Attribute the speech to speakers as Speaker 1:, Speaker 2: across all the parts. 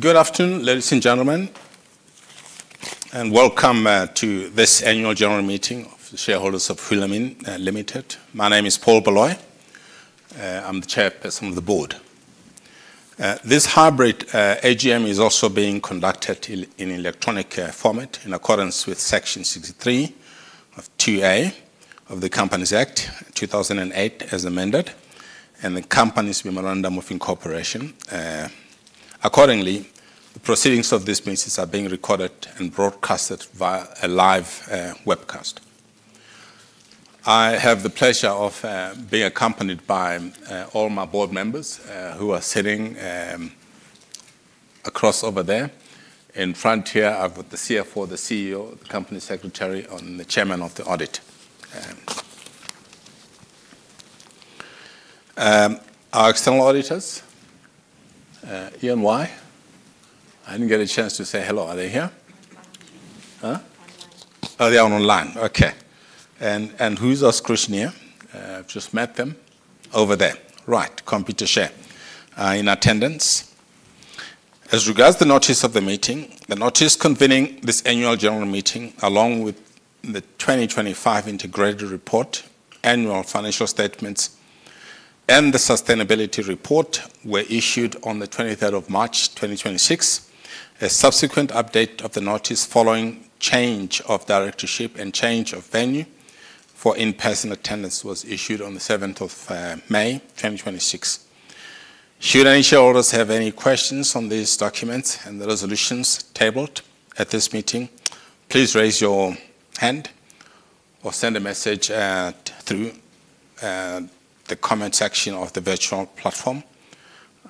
Speaker 1: Good afternoon, ladies and gentlemen, and welcome to this annual general meeting of the shareholders of Hulamin Limited. My name is Paul Baloyi. I'm the chairperson of the board. This hybrid AGM is also being conducted in electronic format in accordance with Section 63 of 2A of the Companies Act 2008 as amended, and the company's memorandum of incorporation. Accordingly, the proceedings of this meeting are being recorded and broadcasted via a live webcast. I have the pleasure of being accompanied by all my board members who are sitting across over there. In front here, I've got the CFO, the CEO, the company secretary, and the chairman of the audit. Our external auditors, EY. I didn't get a chance to say hello. Are they here? Online. Oh, they are online. Okay. Who's our scrutineer? I've just met them. Over there. Right. Computershare in attendance. As regards the notice of the meeting, the notice convening this annual general meeting, along with the 2025 integrated report, annual financial statements, and the sustainability report, were issued on the 23rd of March 2026. A subsequent update of the notice following change of directorship and change of venue for in-person attendance was issued on the 7th of May 2026. Should any shareholders have any questions on these documents and the resolutions tabled at this meeting, please raise your hand or send a message through the comment section of the virtual platform.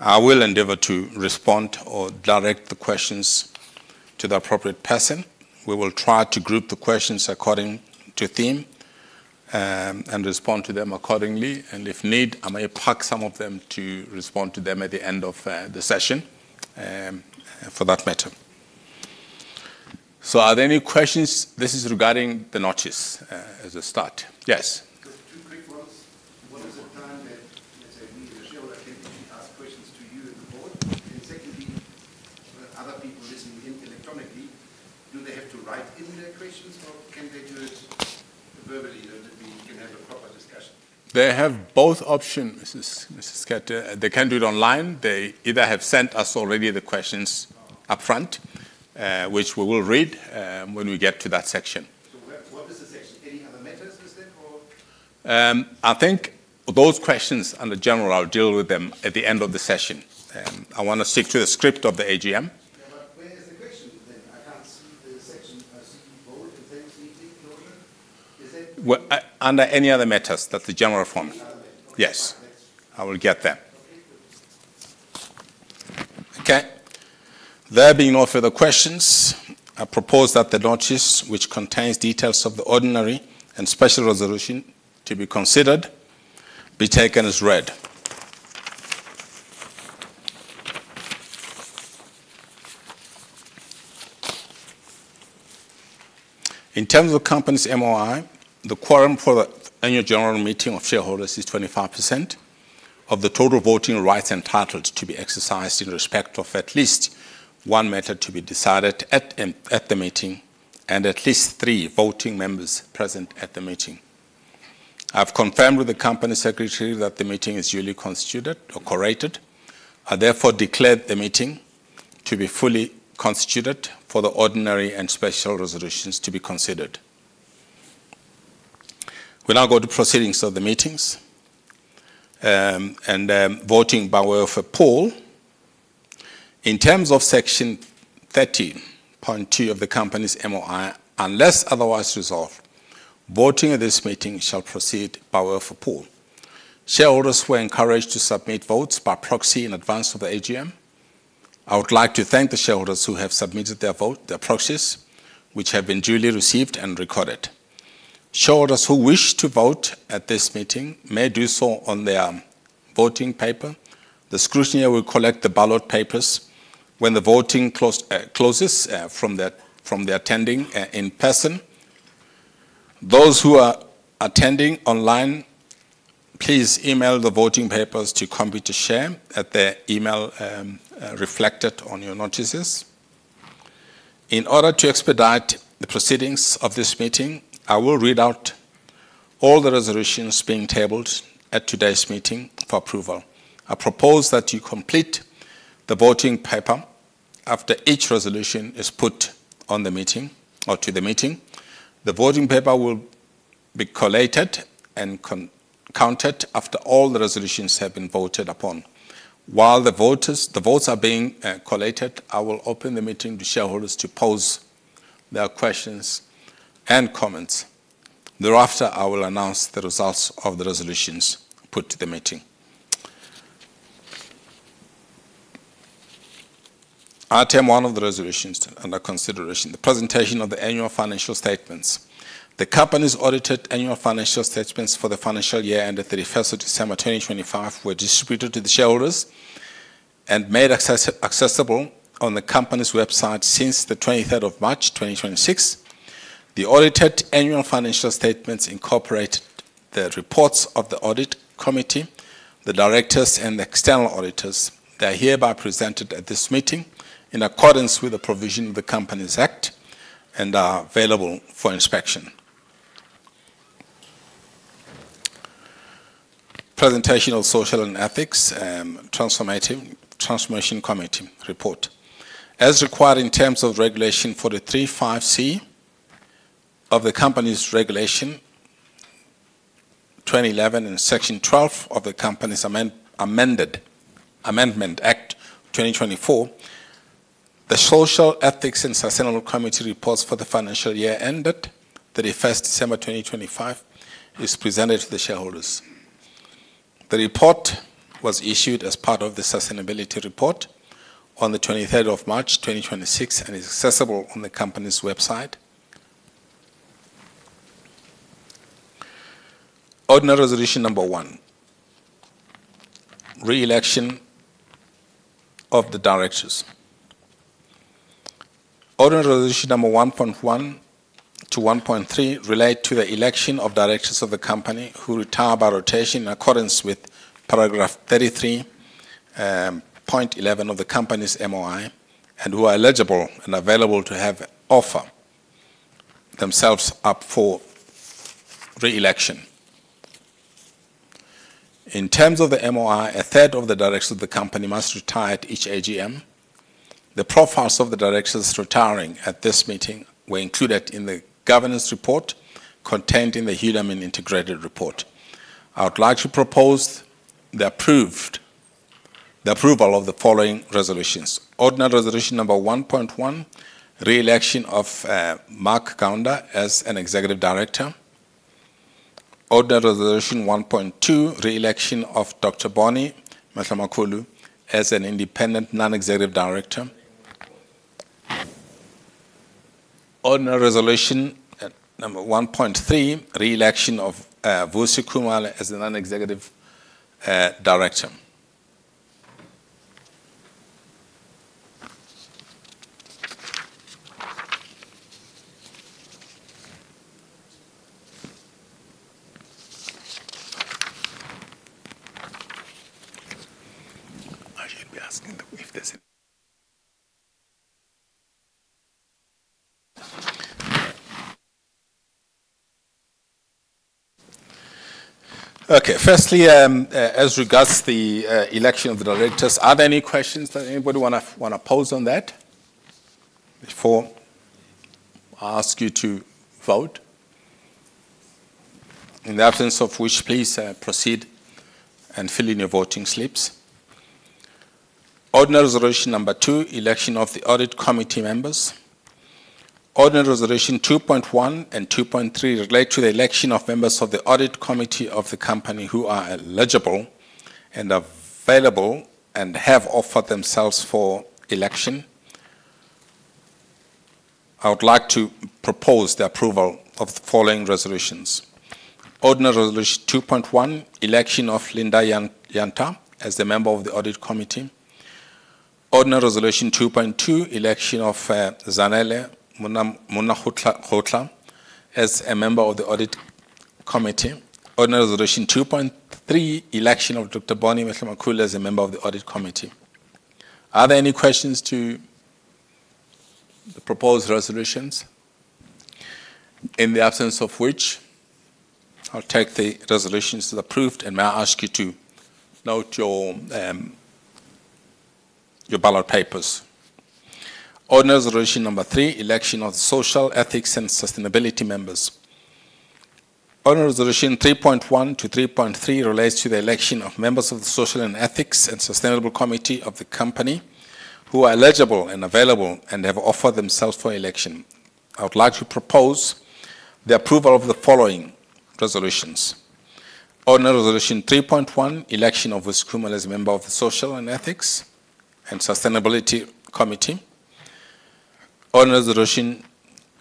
Speaker 1: I will endeavor to respond or direct the questions to the appropriate person. We will try to group the questions according to theme, and respond to them accordingly. If need, I may park some of them to respond to them at the end of the session, for that matter. Are there any questions? This is regarding the notice as a start. Yes.
Speaker 2: Just two quick ones. What is the time that, let's say me as a shareholder, can actually ask questions to you and the board? Secondly, when other people listen in electronically, do they have to write in their questions, or can they do it verbally, that we can have a proper discussion?
Speaker 1: They have both options, Mr. Schütte. They can do it online. They either have sent us already the questions upfront, which we will read when we get to that section.
Speaker 2: What is the section? Any other matters listed or?
Speaker 1: I think for those questions under general, I'll deal with them at the end of the session. I want to stick to the script of the AGM.
Speaker 2: Yeah, where is the question then? I can't see the section. I see board items meeting in order.
Speaker 1: Under any other matters. That's the general forum.
Speaker 2: Any other matters.
Speaker 1: Yes. I will get there.
Speaker 2: Okay.
Speaker 1: Okay. There being no further questions, I propose that the notice, which contains details of the ordinary and special resolution to be considered, be taken as read. In terms of the company's MOI, the quorum for the annual general meeting of shareholders is 25% of the total voting rights entitled to be exercised in respect of at least one matter to be decided at the meeting, and at least three voting members present at the meeting. I've confirmed with the company secretary that the meeting is duly constituted or quorated. I therefore declare the meeting to be fully constituted for the ordinary and special resolutions to be considered. We'll now go to proceedings of the meetings, and voting by way of a poll. In terms of Section 13.2 of the company's MOI, unless otherwise resolved, voting at this meeting shall proceed by way of a poll. Shareholders were encouraged to submit votes by proxy in advance of the AGM. I would like to thank the shareholders who have submitted their vote, their proxies, which have been duly received and recorded. Shareholders who wish to vote at this meeting may do so on their voting paper. The scrutineer will collect the ballot papers when the voting closes from the attending in person. Those who are attending online, please email the voting papers to Computershare at the email reflected on your notices. In order to expedite the proceedings of this meeting, I will read out all the resolutions being tabled at today's meeting for approval. I propose that you complete the voting paper after each resolution is put on the meeting or to the meeting. The voting paper will be collated and counted after all the resolutions have been voted upon. While the votes are being collated, I will open the meeting to shareholders to pose their questions and comments. Thereafter, I will announce the results of the resolutions put to the meeting. Item one of the resolutions under consideration, the presentation of the annual financial statements. The company's audited annual financial statements for the financial year ended 31st of December 2025 were distributed to the shareholders and made accessible on the company's website since the 23rd of March 2026. The audited annual financial statements incorporate the reports of the Audit Committee, the directors, and the external auditors are hereby presented at this meeting in accordance with the provision of the Companies Act and are available for inspection. Presentation of Social and Ethics Transformation Committee Report. As required in terms of Regulation 43 [ 5 ] C of the Companies Regulations, 2011 and Section 12 of the Companies Amendment Act 2024, the social ethics and sustainable committee reports for the financial year ended 31st December 2025 is presented to the shareholders. The report was issued as part of the sustainability report on the 23rd of March 2026 and is accessible on the company's website. Ordinary resolution number one, re-election of the directors. Ordinary resolution number 1.1 to 1.3 relate to the election of directors of the company who retire by rotation in accordance with paragraph 33.11 of the company's MOI and who are eligible and available to have offer themselves up for re-election. In terms of the MOI, a third of the directors of the company must retire at each AGM. The profiles of the directors retiring at this meeting were included in the governance report contained in the Hulamin integrated report. I would like to propose the approval of the following resolutions. Ordinary resolution number 1.1, re-election of Mark Gounder as an executive director. Ordinary resolution 1.2, re-election of Dr Boni Mehlomakulu as an independent non-executive director. Ordinary resolution number 1.3, re-election of Vusi Khumalo as a non-executive director. I should be asking if there's any. Okay. Firstly, as regards the election of the directors, are there any questions that anybody want to pose on that before I ask you to vote? In the absence of which, please proceed and fill in your voting slips. Ordinary resolution number two, election of the audit committee members. Ordinary resolution 2.1 and 2.3 relate to the election of members of the audit committee of the company who are eligible and available and have offered themselves for election. I would like to propose the approval of the following resolutions. Ordinary resolution 2.1, election of Linda Yanta as the member of the audit committee. Ordinary resolution 2.2, election of Zanele Monnakgotla as a member of the audit committee. Ordinary resolution 2.3, election of Dr. Boni Mehlomakulu as a member of the audit committee. Are there any questions to the proposed resolutions? In the absence of which, I will take the resolutions as approved, and may I ask you to note your ballot papers. Ordinary resolution number three, election of the social, ethics and sustainability members. Ordinary Resolution 3.1 to 3.3 relates to the election of members of the social and ethics and sustainable committee of the company who are eligible and available and have offered themselves for election. I would like to propose the approval of the following resolutions. Ordinary Resolution 3.1, election of Vusi Khumalo as a member of the social and ethics and sustainability committee. Ordinary Resolution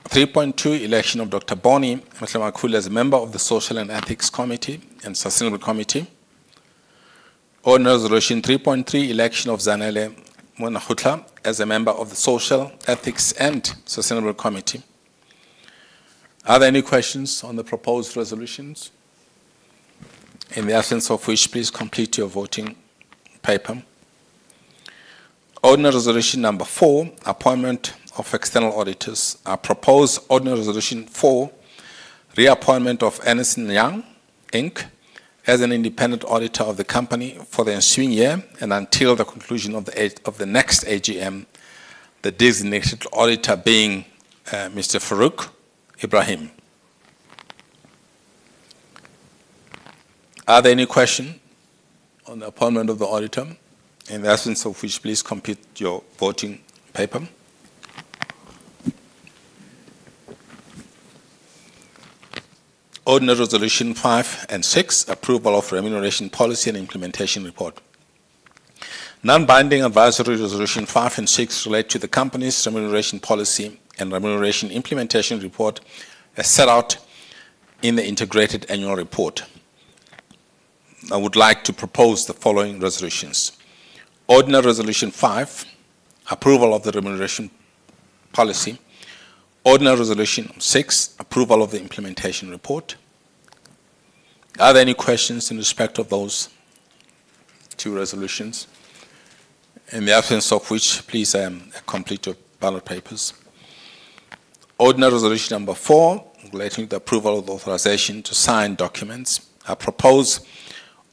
Speaker 1: 3.2, election of Dr Boni Mehlomakulu as a member of the social and ethics committee and sustainable committee. Ordinary Resolution 3.3, election of Zanele Monnakgotla as a member of the social, ethics, and sustainable committee. Are there any questions on the proposed resolutions? In the absence of which, please complete your voting paper. Ordinary Resolution four, appointment of external auditors. I propose Ordinary Resolution four, reappointment of Ernst & Young Inc as an independent auditor of the company for the ensuing year and until the conclusion of the next AGM, the designated auditor being Mr. Farouk Ebrahim. Are there any question on the appointment of the auditor? In the absence of which, please complete your voting paper. Ordinary Resolution five and six, approval of remuneration policy and implementation report. Non-binding advisory Resolution five and six relate to the company's remuneration policy and remuneration implementation report as set out in the integrated annual report. I would like to propose the following resolutions. Ordinary Resolution five, approval of the remuneration policy. Ordinary Resolution six, approval of the implementation report. Are there any questions in respect of those two resolutions? In the absence of which, please complete your ballot papers. Ordinary Resolution number four, relating to approval of authorization to sign documents. I propose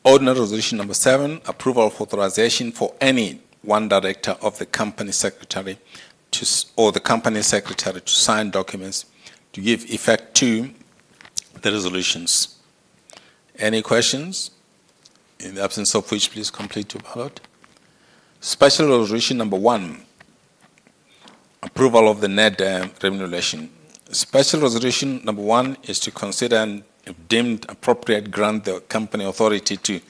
Speaker 1: Ordinary Resolution number seven, approval of authorization for any one director or the company secretary to sign documents to give effect to the resolutions. Any questions? In the absence of which, please complete your ballot. Special Resolution Number one, approval of the net remuneration. Special Resolution number one is to consider, and if deemed appropriate, grant the company authority to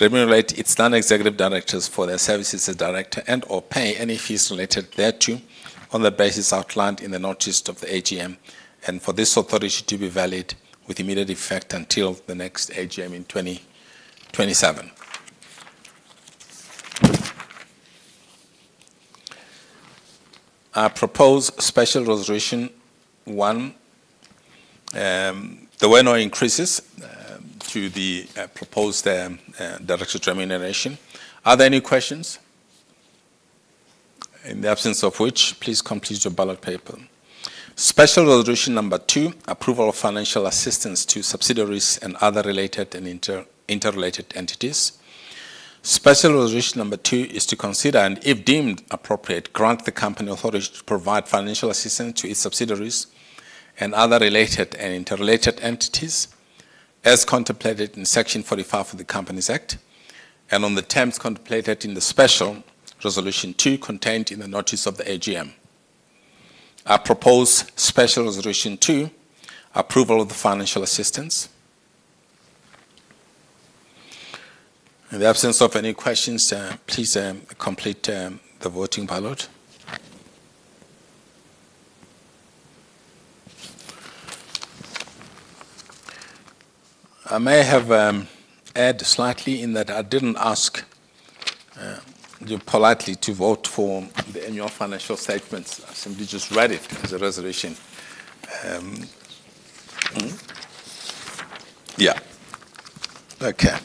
Speaker 1: remunerate its non-executive directors for their services as director, and/or pay any fees related thereto on the basis outlined in the notice of the AGM. For this authority to be valid with immediate effect until the next AGM in 2027. I propose Special Resolution one. There were no increases to the proposed director remuneration. Are there any questions? In the absence of which, please complete your ballot paper. Special Resolution number two, approval of financial assistance to subsidiaries and other related and interrelated entities. Special Resolution number two is to consider, and if deemed appropriate, grant the company authority to provide financial assistance to its subsidiaries and other related and interrelated entities as contemplated in Section 45 of the Companies Act, and on the terms contemplated in the Special Resolution two contained in the notice of the AGM. I propose Special Resolution two, approval of the financial assistance. In the absence of any questions, please complete the voting ballot. I may have erred slightly in that I didn't ask you politely to vote for the annual financial statements. I simply just read it as a resolution. Yeah. Okay.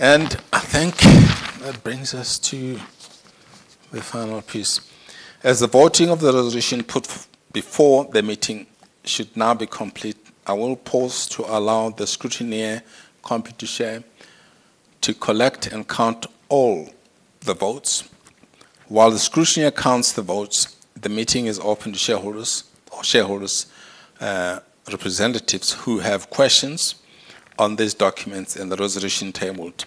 Speaker 1: I think that brings us to the final piece. As the voting of the resolution put before the meeting should now be complete, I will pause to allow the scrutineer Computershare to collect and count all the votes. While the scrutineer counts the votes, the meeting is open to shareholders or shareholders' representatives who have questions on these documents and the resolution tabled.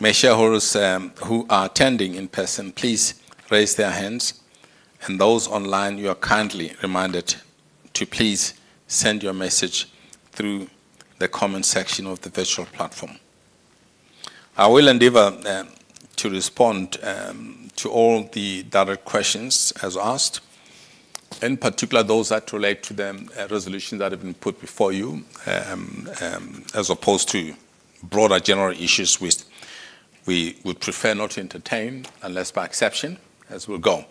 Speaker 1: May shareholders who are attending in person please raise their hands, and those online, you are kindly reminded to please send your message through the comment section of the virtual platform. I will endeavor to respond to all the direct questions as asked, in particular those that relate to the resolutions that have been put before you, as opposed to broader general issues which we would prefer not to entertain unless by exception as we go.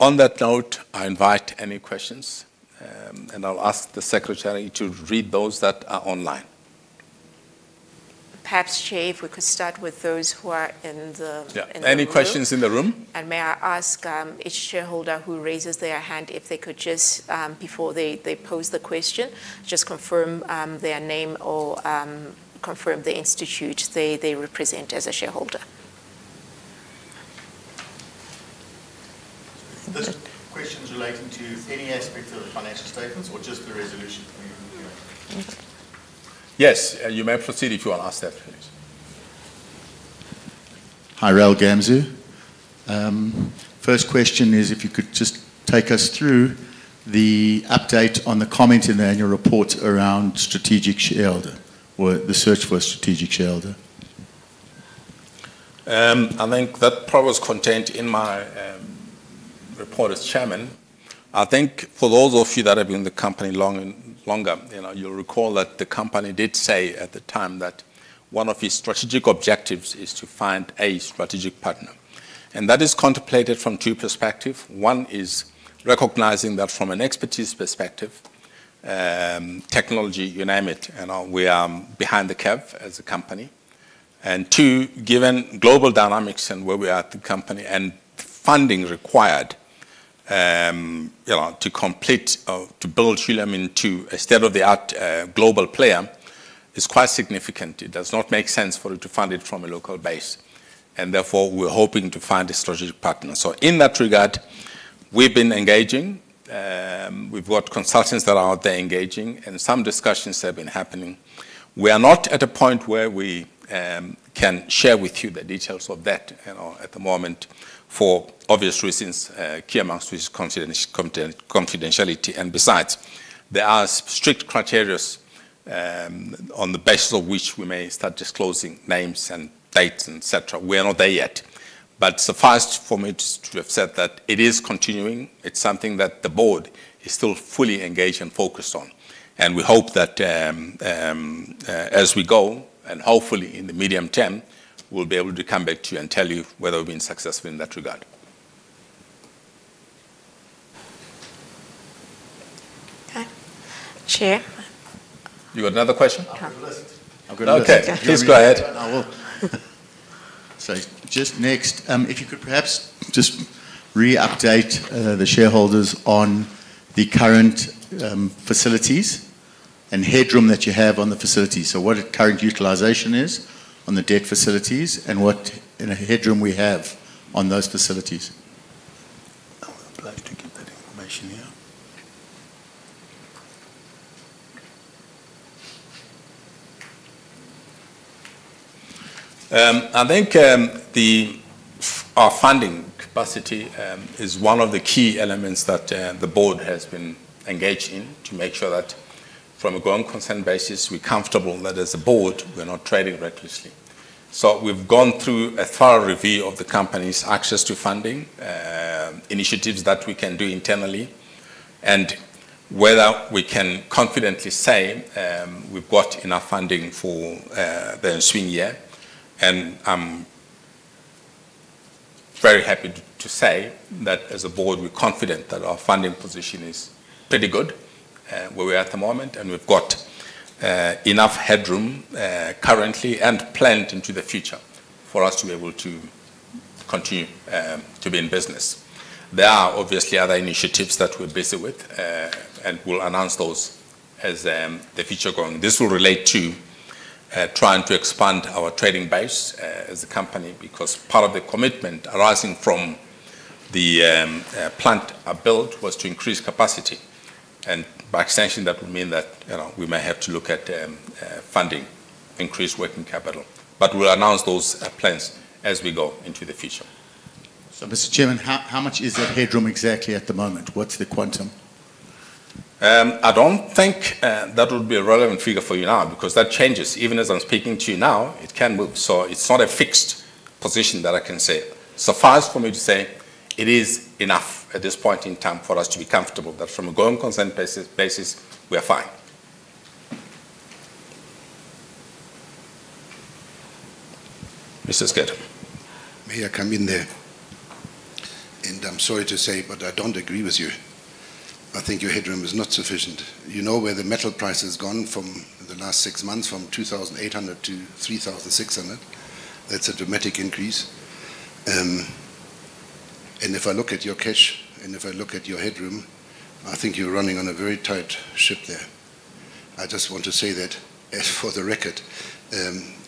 Speaker 1: On that note, I invite any questions, and I'll ask the secretary to read those that are online.
Speaker 3: Perhaps, chair, if we could start with those who are in the room.
Speaker 1: Yeah. Any questions in the room?
Speaker 3: May I ask each shareholder who raises their hand if they could just, before they pose the question, just confirm their name or confirm the institute they represent as a shareholder.
Speaker 4: Are those questions relating to any aspect of the financial statements or just the resolution?
Speaker 1: Yes. You may proceed if you want to ask that, please.
Speaker 4: Hi. Ralph Gamzu. First question is if you could just take us through the update on the comment in the annual report around strategic shareholder, or the search for a strategic shareholder.
Speaker 1: I think that probably was contained in my report as chairman. I think for those of you that have been in the company longer, you'll recall that the company did say at the time that one of its strategic objectives is to find a strategic partner. That is contemplated from two perspectives. One is recognizing that from an expertise perspective, technology, you name it, we are behind the curve as a company. Two, given global dynamics and where we are as a company, and funding required to build Hulamin to a state-of-the-art global player is quite significant. It does not make sense for it to fund it from a local base. Therefore, we're hoping to find a strategic partner. In that regard, we've been engaging. We've got consultants that are out there engaging, and some discussions have been happening. We are not at a point where we can share with you the details of that at the moment for obvious reasons, key amongst which is confidentiality. Besides, there are strict criteria on the basis of which we may start disclosing names and dates, et cetera. We are not there yet. Suffice for me to have said that it is continuing. It's something that the board is still fully engaged and focused on, and we hope that as we go, and hopefully in the medium term, we'll be able to come back to you and tell you whether we've been successful in that regard.
Speaker 3: Okay. Chair.
Speaker 1: You got another question?
Speaker 4: I've got a list. I've got a list.
Speaker 1: Okay. Please go ahead.
Speaker 4: I will. Just next, if you could perhaps just re-update the shareholders on the current facilities and headroom that you have on the facilities. What the current utilization is on the debt facilities and what headroom we have on those facilities.
Speaker 1: I will apply to get that information, yeah. I think our funding capacity is one of the key elements that the board has been engaged in to make sure that from a going concern basis, we're comfortable that as a board, we're not trading recklessly. We've gone through a thorough review of the company's access to funding, initiatives that we can do internally, and whether we can confidently say we've got enough funding for the ensuing year. I'm very happy to say that as a board, we're confident that our funding position is pretty good where we are at the moment, and we've got enough headroom currently and planned into the future for us to be able to continue to be in business. There are obviously other initiatives that we're busy with, and we'll announce those as the future going. This will relate to trying to expand our trading base as a company, because part of the commitment arising from the plant build was to increase capacity, and by extension, that would mean that we may have to look at funding increased working capital. We'll announce those plans as we go into the future.
Speaker 4: Mr. Chairman, how much is that headroom exactly at the moment? What's the quantum?
Speaker 1: I don't think that would be a relevant figure for you now because that changes. Even as I'm speaking to you now, it can move, so it's not a fixed position that I can say. Suffice for me to say, it is enough at this point in time for us to be comfortable that from a going concern basis, we are fine. Mr. Schütte.
Speaker 2: May I come in there? I'm sorry to say, but I don't agree with you. I think your headroom is not sufficient. You know where the metal price has gone from the last six months from 2,800 to 3,600. That's a dramatic increase. If I look at your cash and if I look at your headroom, I think you're running on a very tight ship there. I just want to say that for the record.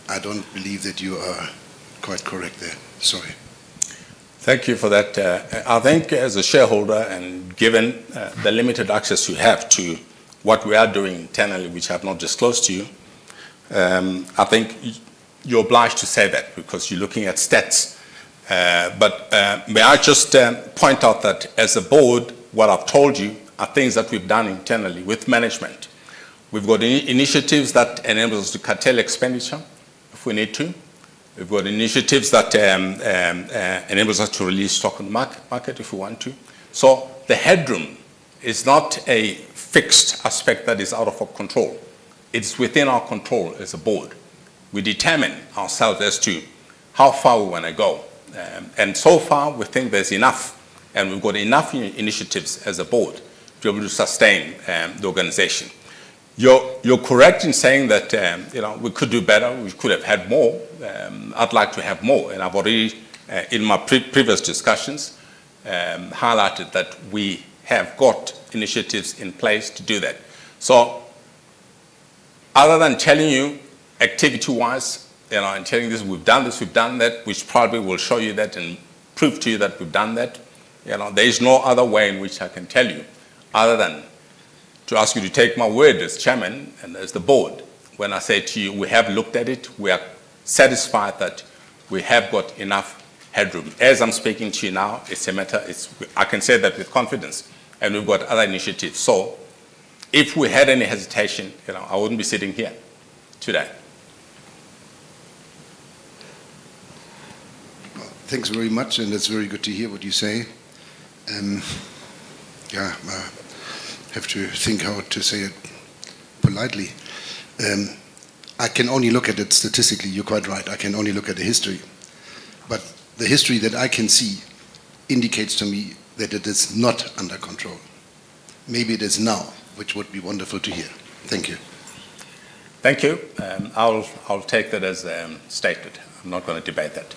Speaker 2: I don't believe that you are quite correct there. Sorry.
Speaker 1: Thank you for that. I think as a shareholder and given the limited access you have to what we are doing internally, which I've not disclosed to you, I think you're obliged to say that because you're looking at stats. May I just point out that as a board, what I've told you are things that we've done internally with management. We've got initiatives that enable us to curtail expenditure if we need to. We've got initiatives that enable us to release stock on the market if we want to. The headroom is not a fixed aspect that is out of our control. It's within our control as a board. We determine ourselves as to how far we want to go, and so far, we think there's enough, and we've got enough initiatives as a board to be able to sustain the organization. You're correct in saying that we could do better. We could have had more. I'd like to have more, and I've already, in my previous discussions, highlighted that we have got initiatives in place to do that. Other than telling you activity-wise and telling you we've done this, we've done that, which probably will show you that and prove to you that we've done that, there is no other way in which I can tell you other than to ask you to take my word as chairman and as the board when I say to you, we have looked at it. We are satisfied that we have got enough headroom. As I'm speaking to you now, I can say that with confidence, and we've got other initiatives. If we had any hesitation, I wouldn't be sitting here today.
Speaker 2: Thanks very much. It's very good to hear what you say. Yeah, I have to think how to say it politely. I can only look at it statistically. You're quite right. I can only look at the history. The history that I can see indicates to me that it is not under control. Maybe it is now, which would be wonderful to hear. Thank you.
Speaker 1: Thank you. I'll take that as stated. I'm not going to debate that.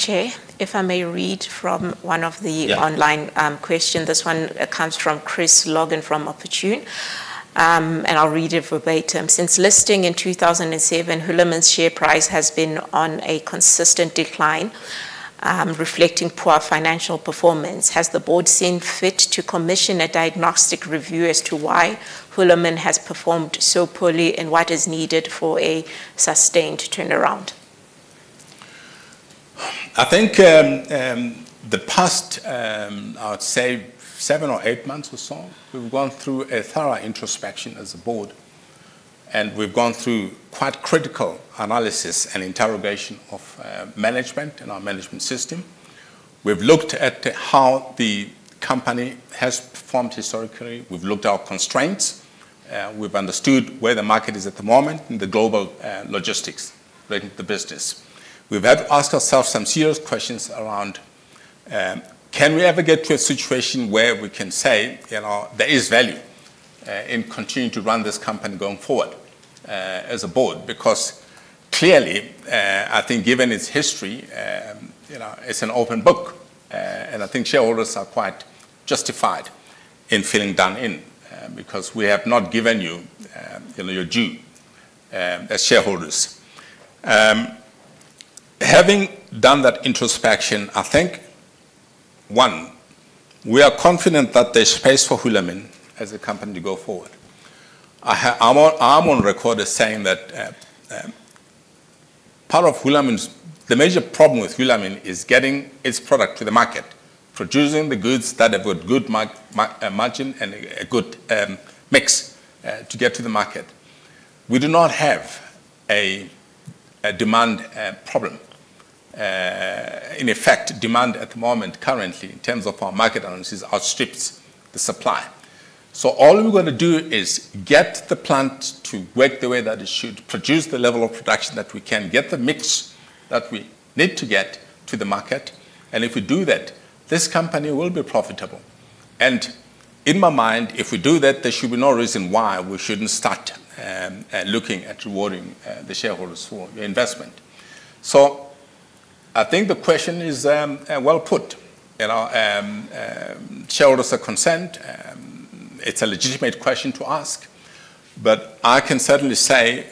Speaker 3: Chair, if I may read from one of the—
Speaker 1: Yeah
Speaker 3: Online questions. This one comes from Chris Logan from Opportune, and I'll read it verbatim. "Since listing in 2007, Hulamin's share price has been on a consistent decline, reflecting poor financial performance. Has the board seen fit to commission a diagnostic review as to why Hulamin has performed so poorly and what is needed for a sustained turnaround?
Speaker 1: I think the past, I would say seven or eight months or so, we've gone through a thorough introspection as a board. We've gone through quite critical analysis and interrogation of management and our management system. We've looked at how the company has performed historically. We've looked at our constraints. We've understood where the market is at the moment in the global logistics relating to the business. We've had to ask ourselves some serious questions around, can we ever get to a situation where we can say there is value in continuing to run this company going forward, as a board? Clearly, I think given its history, it's an open book. I think shareholders are quite justified in feeling done in, because we have not given you your due as shareholders. Having done that introspection, I think, one, we are confident that there's space for Hulamin as a company to go forward. I'm on record as saying that part of the major problem with Hulamin is getting its product to the market, producing the goods that have got good margin and a good mix to get to the market. We do not have a demand problem. In effect, demand at the moment currently, in terms of our market analysis, outstrips the supply. All we're going to do is get the plant to work the way that it should, produce the level of production that we can, get the mix that we need to get to the market, and if we do that, this company will be profitable. In my mind, if we do that, there should be no reason why we shouldn't start looking at rewarding the shareholders for their investment. I think the question is well put. Shareholders are concerned. It's a legitimate question to ask, but I can certainly say,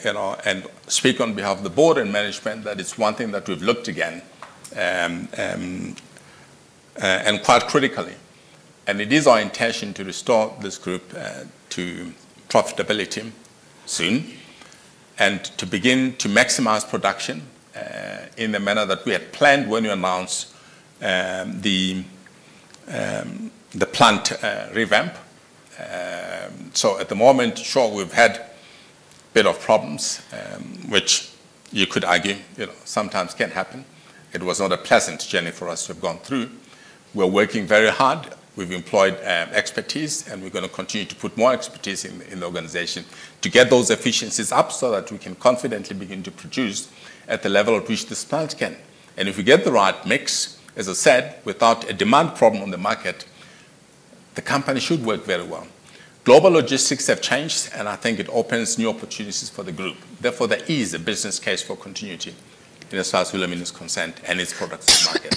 Speaker 1: and speak on behalf of the board and management, that it's one thing that we've looked again, and quite critically. It is our intention to restore this group to profitability soon and to begin to maximize production in the manner that we had planned when we announced the plant revamp. At the moment, sure, we've had a bit of problems, which you could argue sometimes can happen. It was not a pleasant journey for us to have gone through. We're working very hard. We've employed expertise, and we're going to continue to put more expertise in the organization to get those efficiencies up so that we can confidently begin to produce at the level at which this plant can. If we get the right mix, as I said, without a demand problem on the market, the company should work very well. Global logistics have changed, and I think it opens new opportunities for the group. Therefore, there is a business case for continuity in as far as Hulamin is concerned and its products to market.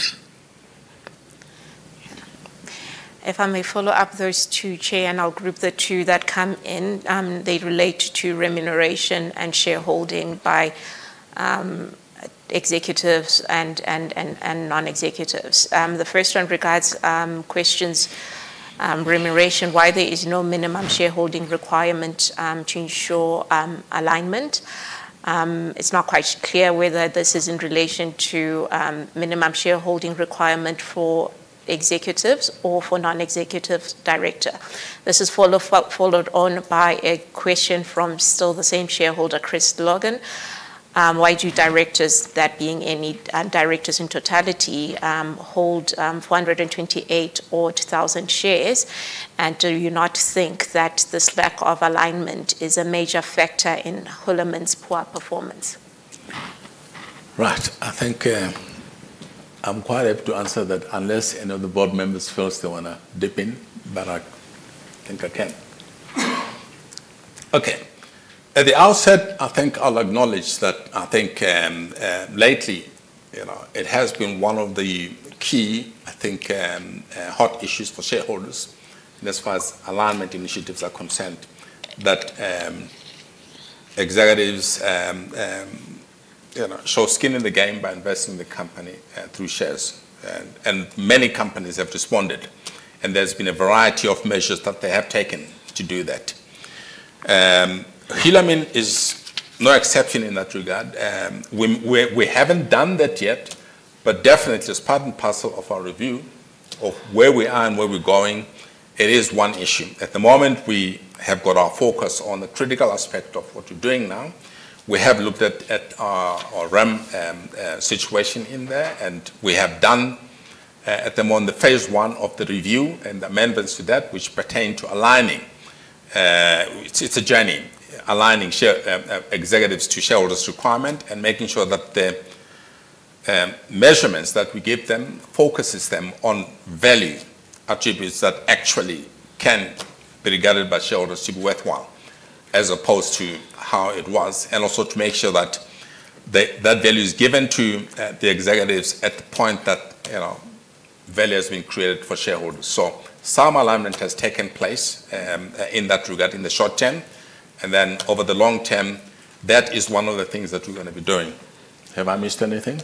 Speaker 3: If I may follow up those two, chair, and I'll group the two that come in. They relate to remuneration and shareholding by executives and non-executives. The first one regards questions, remuneration, why there is no minimum shareholding requirement to ensure alignment. It's not quite clear whether this is in relation to minimum shareholding requirement for executives or for non-executive director. This is followed on by a question from still the same shareholder, Chris Logan. Why do directors, that being any directors in totality, hold 428,000 odd shares? Do you not think that this lack of alignment is a major factor in Hulamin's poor performance?
Speaker 1: Right. I think I'm quite able to answer that unless any of the board members feels they want to dip in, but I think I can. At the outset, I'll acknowledge that lately it has been one of the key hot issues for shareholders, and as far as alignment initiatives are concerned, that executives show skin in the game by investing in the company through shares. Many companies have responded, and there's been a variety of measures that they have taken to do that. Hulamin is no exception in that regard. We haven't done that yet, but definitely as part and parcel of our review of where we are and where we're going, it is one issue. At the moment, we have got our focus on the critical aspect of what we're doing now. We have looked at our REM situation in there. We have done at the moment the phase I of the review and amendments to that which pertain to aligning. It's a journey, aligning executives to shareholders' requirement and making sure that the measurements that we give them focuses them on value attributes that actually can be regarded by shareholders to be worthwhile, as opposed to how it was. Also to make sure that that value is given to the executives at the point that value has been created for shareholders. Some alignment has taken place in that regard in the short term, then over the long term, that is one of the things that we're going to be doing. Have I missed anything?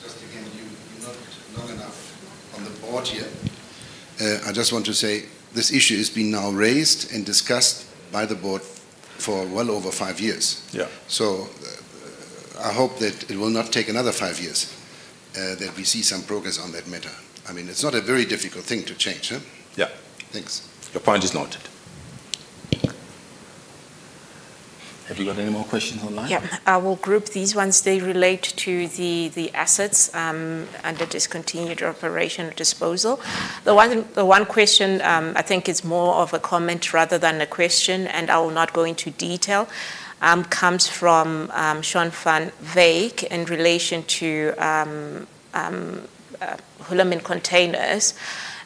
Speaker 2: Just again, you're not long enough on the board yet. I just want to say this issue has been now raised and discussed by the board for well over five years.
Speaker 1: Yeah.
Speaker 2: I hope that it will not take another five years that we see some progress on that matter. It's not a very difficult thing to change.
Speaker 1: Yeah.
Speaker 2: Thanks.
Speaker 1: Your point is noted. Have you got any more questions online?
Speaker 3: Yeah. I will group these ones. They relate to the assets under discontinued operation or disposal. The one question I think is more of a comment rather than a question, and I will not go into detail, comes from Sean Van Wyk in relation to Hulamin Containers.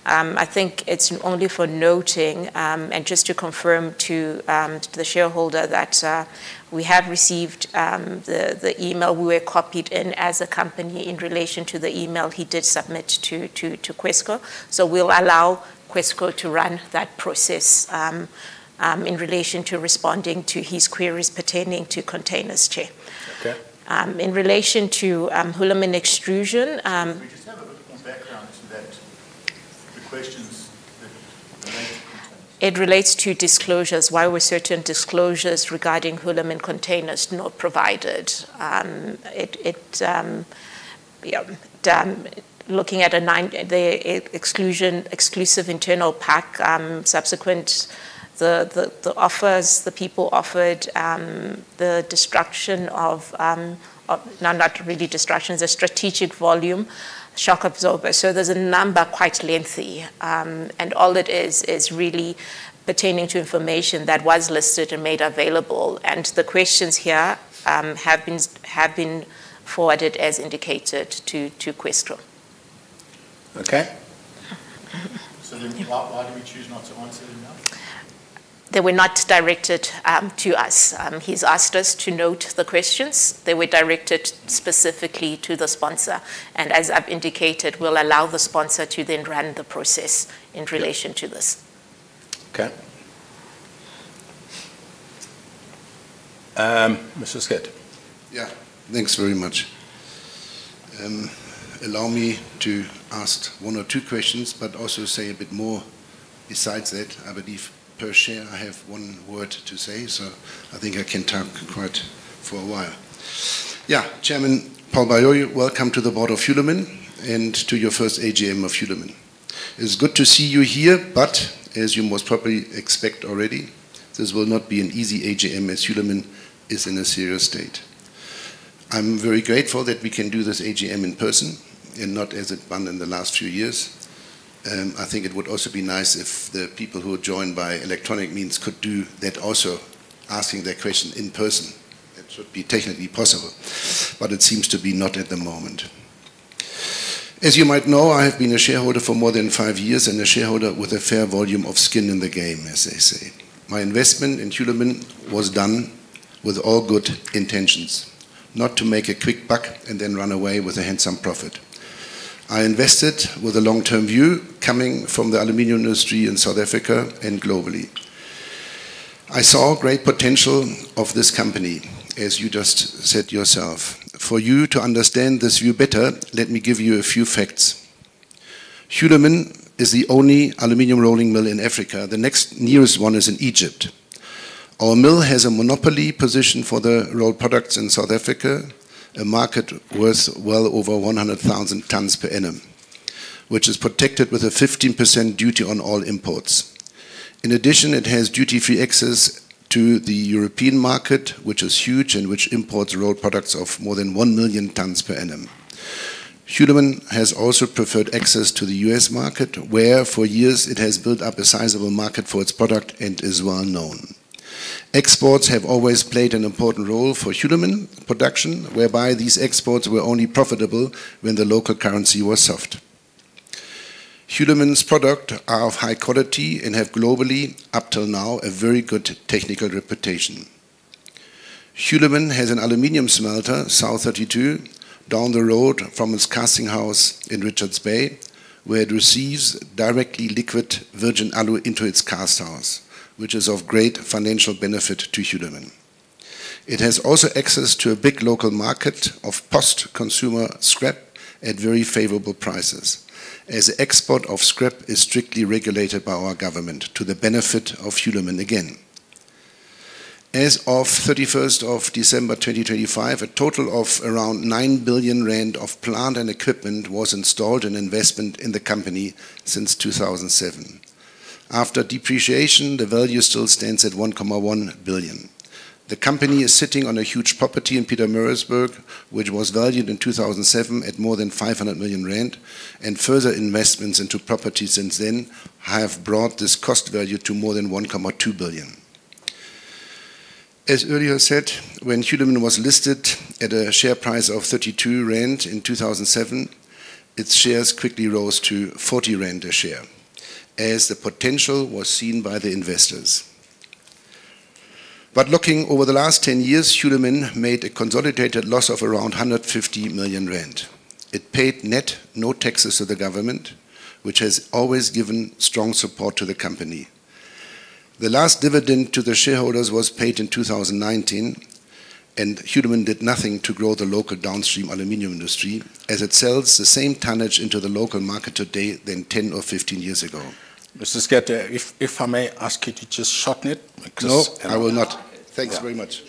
Speaker 3: I think it's only for noting, and just to confirm to the shareholder that we have received the email. We were copied in as a company in relation to the email he did submit to Questco. We'll allow Questco to run that process in relation to responding to his queries pertaining to Containers, Chair.
Speaker 1: Okay.
Speaker 3: In relation to Hulamin Extrusions.
Speaker 1: Can we just have a bit of background to the questions that were raised?
Speaker 3: It relates to disclosures, why were certain disclosures regarding Hulamin Containers not provided? Looking at the exclusive internal pack, subsequent, the offers the people offered, no, not really destruction, the strategic volume shock absorber. There's a number, quite lengthy, and all it is really pertaining to information that was listed and made available, and the questions here have been forwarded as indicated to Questco.
Speaker 1: Okay. Why do we choose not to answer them now?
Speaker 3: They were not directed to us. He's asked us to note the questions. They were directed specifically to the sponsor, and as I've indicated, we'll allow the sponsor to then run the process in relation to this.
Speaker 1: Okay. Mr. Schütte.
Speaker 2: Thanks very much. Allow me to ask one or two questions, but also say a bit more besides that. I believe, per share, I have one word to say, I think I can talk quite for a while. Chairman Paul Baloyi, welcome to the board of Hulamin, to your first AGM of Hulamin. It's good to see you here, as you most probably expect already, this will not be an easy AGM, as Hulamin is in a serious state. I'm very grateful that we can do this AGM in person and not as it's been in the last few years. I think it would also be nice if the people who are joined by electronic means could do that also, asking their question in person. It should be technically possible, it seems to be not at the moment. As you might know, I have been a shareholder for more than five years and a shareholder with a fair volume of skin in the game, as they say. My investment in Hulamin was done with all good intentions, not to make a quick buck and then run away with a handsome profit. I invested with a long-term view, coming from the aluminum industry in South Africa and globally. I saw great potential of this company, as you just said yourself. For you to understand this view better, let me give you a few facts. Hulamin is the only aluminum rolling mill in Africa. The next nearest one is in Egypt. Our mill has a monopoly position for the rolled products in South Africa, a market worth well over 100,000 tons per annum, which is protected with a 15% duty on all imports. In addition, it has duty-free access to the European market, which is huge and which imports rolled products of more than 1 million tons per annum. Hulamin has also preferred access to the U.S. market, where for years it has built up a sizable market for its product and is well known. Exports have always played an important role for Hulamin production, whereby these exports were only profitable when the local currency was soft. Hulamin's product are of high quality and have globally, up till now, a very good technical reputation. Hulamin has an aluminum smelter, South32, down the road from its casting house in Richards Bay, where it receives directly liquid virgin alu into its cast house, which is of great financial benefit to Hulamin. It has also access to a big local market of post-consumer scrap at very favorable prices, as export of scrap is strictly regulated by our government to the benefit of Hulamin again. As of 31st of December 2025, a total of around 9 billion rand of plant and equipment was installed in investment in the company since 2007. After depreciation, the value still stands at 1.1 billion. The company is sitting on a huge property in Pietermaritzburg, which was valued in 2007 at more than 500 million rand, further investments into property since then have brought this cost value to more than 1.2 billion. As earlier said, when Hulamin was listed at a share price of 32 rand in 2007, its shares quickly rose to 40 rand a share as the potential was seen by the investors. Looking over the last 10 years, Hulamin made a consolidated loss of around 150 million rand. It paid net no taxes to the government, which has always given strong support to the company. The last dividend to the shareholders was paid in 2019, and Hulamin did nothing to grow the local downstream aluminum industry, as it sells the same tonnage into the local market today than 10 or 15 years ago.
Speaker 1: Mr. Schütte, if I may ask you to just shorten it.
Speaker 2: No, I will not. Thanks very much.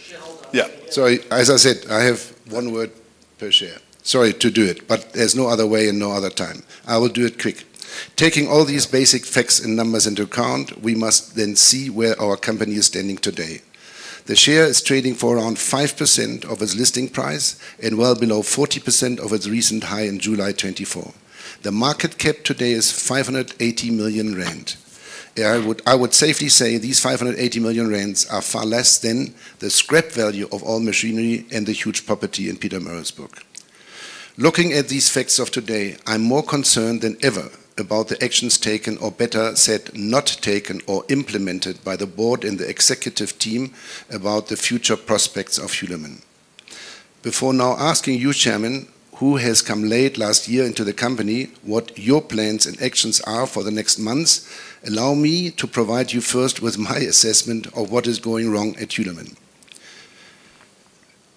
Speaker 1: Yeah.
Speaker 2: Sorry. As I said, I have one word per share. Sorry to do it, there's no other way and no other time. I will do it quick. Taking all these basic facts and numbers into account, we must see where our company is standing today. The share is trading for around 5% of its listing price and well below 40% of its recent high in July 2024. The market cap today is 580 million rand. I would safely say these 580 million rand are far less than the scrap value of all machinery and the huge property in Pietermaritzburg. Looking at these facts of today, I'm more concerned than ever about the actions taken, or better said, not taken or implemented by the board and the executive team about the future prospects of Hulamin. Before now asking you, chairman, who has come late last year into the company, what your plans and actions are for the next months, allow me to provide you first with my assessment of what is going wrong at Hulamin.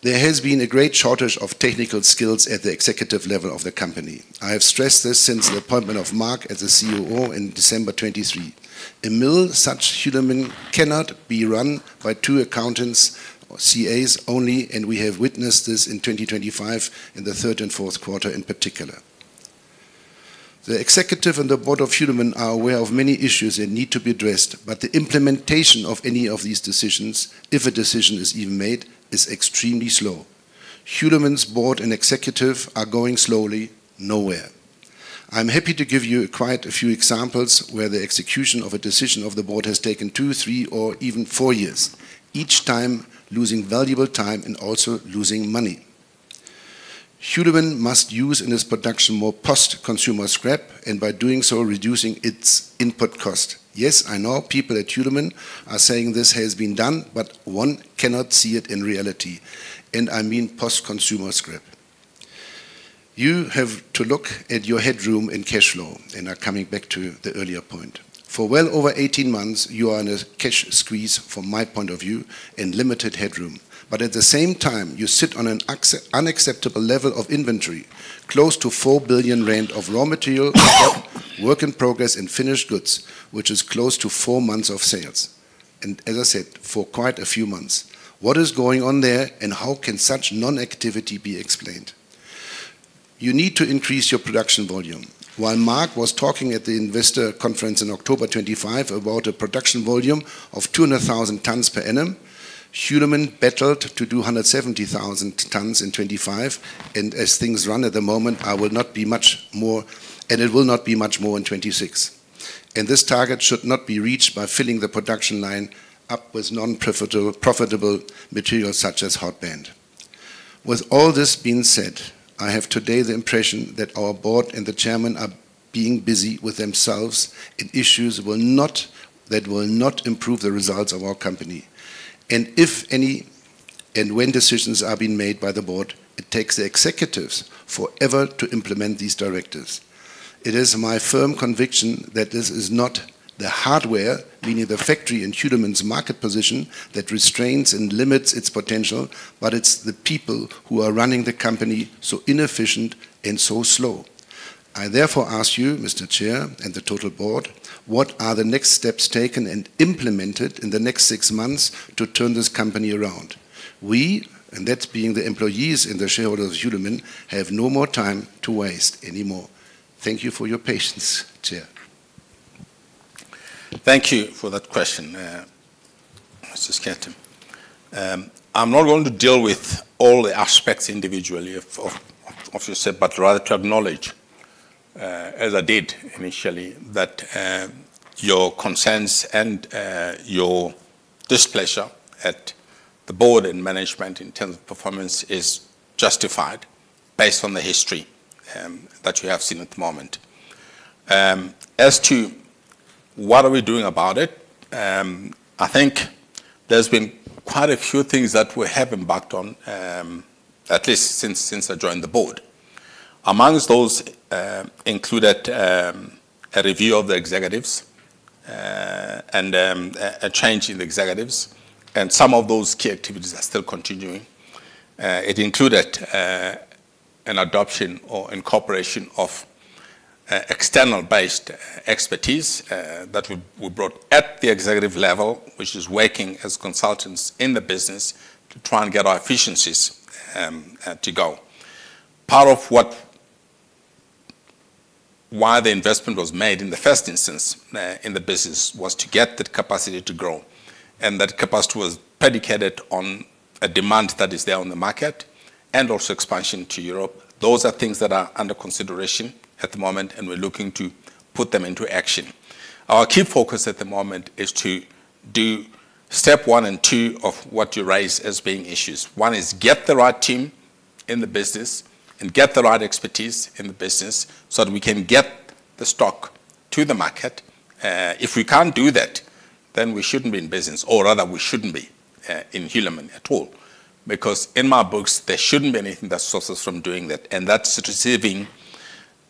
Speaker 2: There has been a great shortage of technical skills at the executive level of the company. I have stressed this since the appointment of Mark as the COO in December 2023. A mill such Hulamin cannot be run by two accountants or CAs only, and we have witnessed this in 2025, in the third and fourth quarter in particular. The executive and the board of Hulamin are aware of many issues that need to be addressed, but the implementation of any of these decisions, if a decision is even made, is extremely slow. Hulamin's board and executive are going slowly nowhere. I'm happy to give you quite a few examples where the execution of a decision of the board has taken two, three, or even four years, each time losing valuable time and also losing money. Hulamin must use in its production more post-consumer scrap. By doing so, reducing its input cost. Yes, I know people at Hulamin are saying this has been done, but one cannot see it in reality. I mean post-consumer scrap. You have to look at your headroom and cash flow. I'm coming back to the earlier point. For well over 18 months, you are in a cash squeeze from my point of view and limited headroom. At the same time, you sit on an unacceptable level of inventory, close to 4 billion rand of raw material, work in progress and finished goods, which is close to four months of sales. As I said, for quite a few months. What is going on there, and how can such non-activity be explained? You need to increase your production volume. While Mark was talking at the investor conference in October 2025 about a production volume of 200,000 tons per annum, Hulamin battled to do 170,000 tons in 2025, as things run at the moment, it will not be much more in 2026. This target should not be reached by filling the production line up with non-profitable material such as hot band. With all this being said, I have today the impression that our board and the chairman are being busy with themselves in issues that will not improve the results of our company. If any, when decisions are being made by the board, it takes the executives forever to implement these directives. It is my firm conviction that this is not the hardware, meaning the factory and Hulamin's market position, that restrains and limits its potential, but it's the people who are running the company so inefficient and so slow. I therefore ask you, Mr. Chair, and the total board, what are the next steps taken and implemented in the next six months to turn this company around? We, and that's being the employees and the shareholders of Hulamin, have no more time to waste anymore. Thank you for your patience, chair.
Speaker 1: Thank you for that question, Mr. Schütte. I am not going to deal with all the aspect individually rather to acknowledge, as I did initially, that your concerns and your displeasure at the board and management in terms of performance is justified based on the history that we have seen at the moment. As to what are we doing about it, I think there's been quite a few things that we have embarked on, at least since I joined the board. Amongst those included a review of the executives and a change in executives. Some of those key activities are still continuing. It included an adoption or incorporation of external-based expertise that we brought at the executive level, which is working as consultants in the business to try and get our efficiencies to go. Part of why the investment was made in the first instance in the business was to get that capacity to grow, and that capacity was predicated on a demand that is there on the market and also expansion to Europe. Those are things that are under consideration at the moment, and we're looking to put them into action. Our key focus at the moment is to do step one and two of what you raise as being issues. One is get the right team in the business and get the right expertise in the business so that we can get the stock to the market. If we can't do that, then we shouldn't be in business, or rather, we shouldn't be in Hulamin at all. In my books, there shouldn't be anything that stops us from doing that. That's receiving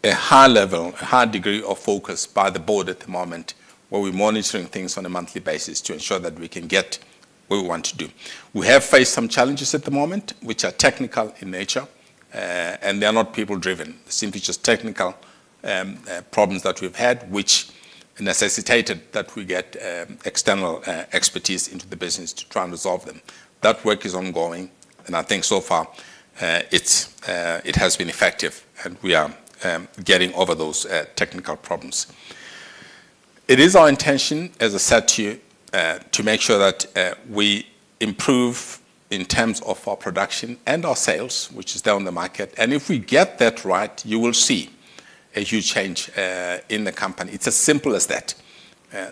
Speaker 1: a high level, a high degree of focus by the board at the moment, where we're monitoring things on a monthly basis to ensure that we can get we want to do. We have faced some challenges at the moment, which are technical in nature. They're not people-driven, simply just technical problems that we've had, which necessitated that we get external expertise into the business to try and resolve them. That work is ongoing. I think so far, it has been effective. We are getting over those technical problems. It is our intention, as I said to you, to make sure that we improve in terms of our production and our sales, which is down the market. If we get that right, you will see a huge change in the company. It's as simple as that.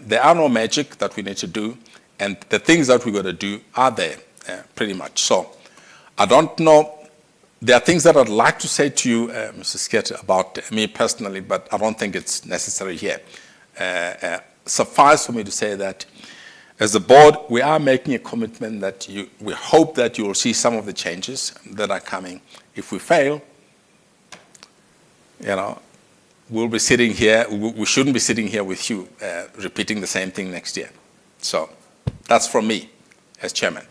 Speaker 1: There are no magic that we need to do, the things that we've got to do are there, pretty much. I don't know. There are things that I'd like to say to you, Mr.Schütte, about me personally, but I don't think it's necessary here. Suffice for me to say that as a board, we are making a commitment that we hope that you will see some of the changes that are coming. If we fail, we shouldn't be sitting here with you repeating the same thing next year. That's from me as chairman.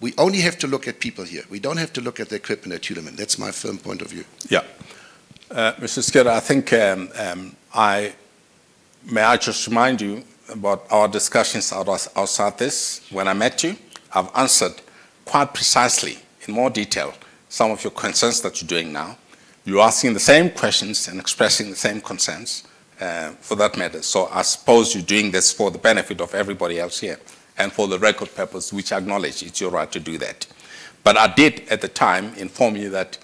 Speaker 2: We only have to look at people here. We don't have to look at the equipment at Hulamin. That's my firm point of view.
Speaker 1: Yeah. Mr. Schütte, may I just remind you about our discussions outside this when I met you? I've answered quite precisely in more detail some of your concerns that you're doing now. You're asking the same questions and expressing the same concerns, for that matter. I suppose you're doing this for the benefit of everybody else here and for the record purpose, which I acknowledge, it's your right to do that. I did, at the time, inform you that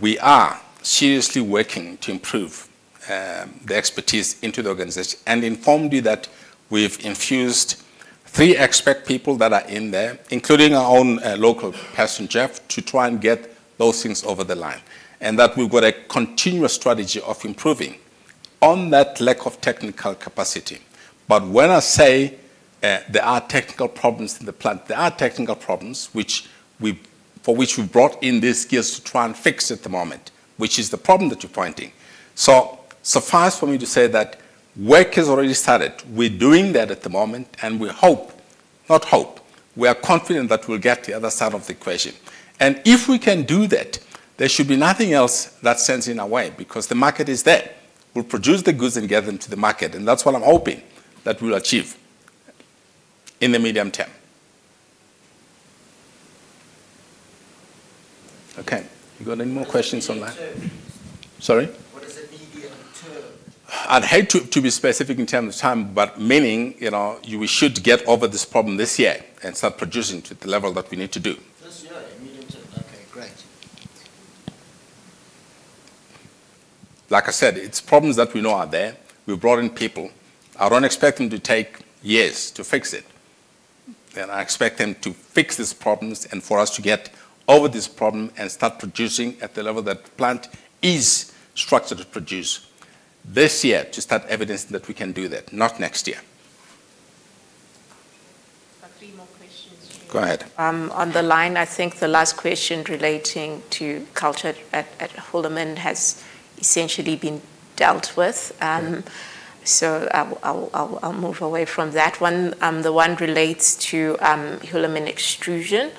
Speaker 1: we are seriously working to improve the expertise into the organization and informed you that we've infused three expert people that are in there, including our own local person, Jeff, to try and get those things over the line, and that we've got a continuous strategy of improving on that lack of technical capacity. When I say there are technical problems in the plant, there are technical problems, for which we've brought in these gears to try and fix at the moment, which is the problem that you're pointing. Suffice for me to say that work has already started. We're doing that at the moment, and we hope, not hope, we are confident that we'll get to the other side of the equation. If we can do that, there should be nothing else that stands in our way because the market is there. We'll produce the goods and get them to the market, and that's what I'm hoping that we'll achieve in the medium term. Okay. You got any more questions on that?
Speaker 2: What is the medium term?
Speaker 1: Sorry?
Speaker 2: What is the medium term?
Speaker 1: I'd hate to be specific in terms of time, but meaning, we should get over this problem this year and start producing to the level that we need to do.
Speaker 2: This year, medium term. Okay, great.
Speaker 1: Like I said, it's problems that we know are there. We've brought in people. I don't expect them to take years to fix it. I expect them to fix these problems and for us to get over this problem and start producing at the level that the plant is structured to produce this year to start evidencing that we can do that, not next year.
Speaker 3: I've got three more questions.
Speaker 1: Go ahead.
Speaker 3: On the line, I think the last question relating to culture at Hulamin has essentially been dealt with.
Speaker 1: Okay.
Speaker 3: I'll move away from that one. The one relates to Hulamin Extrusions.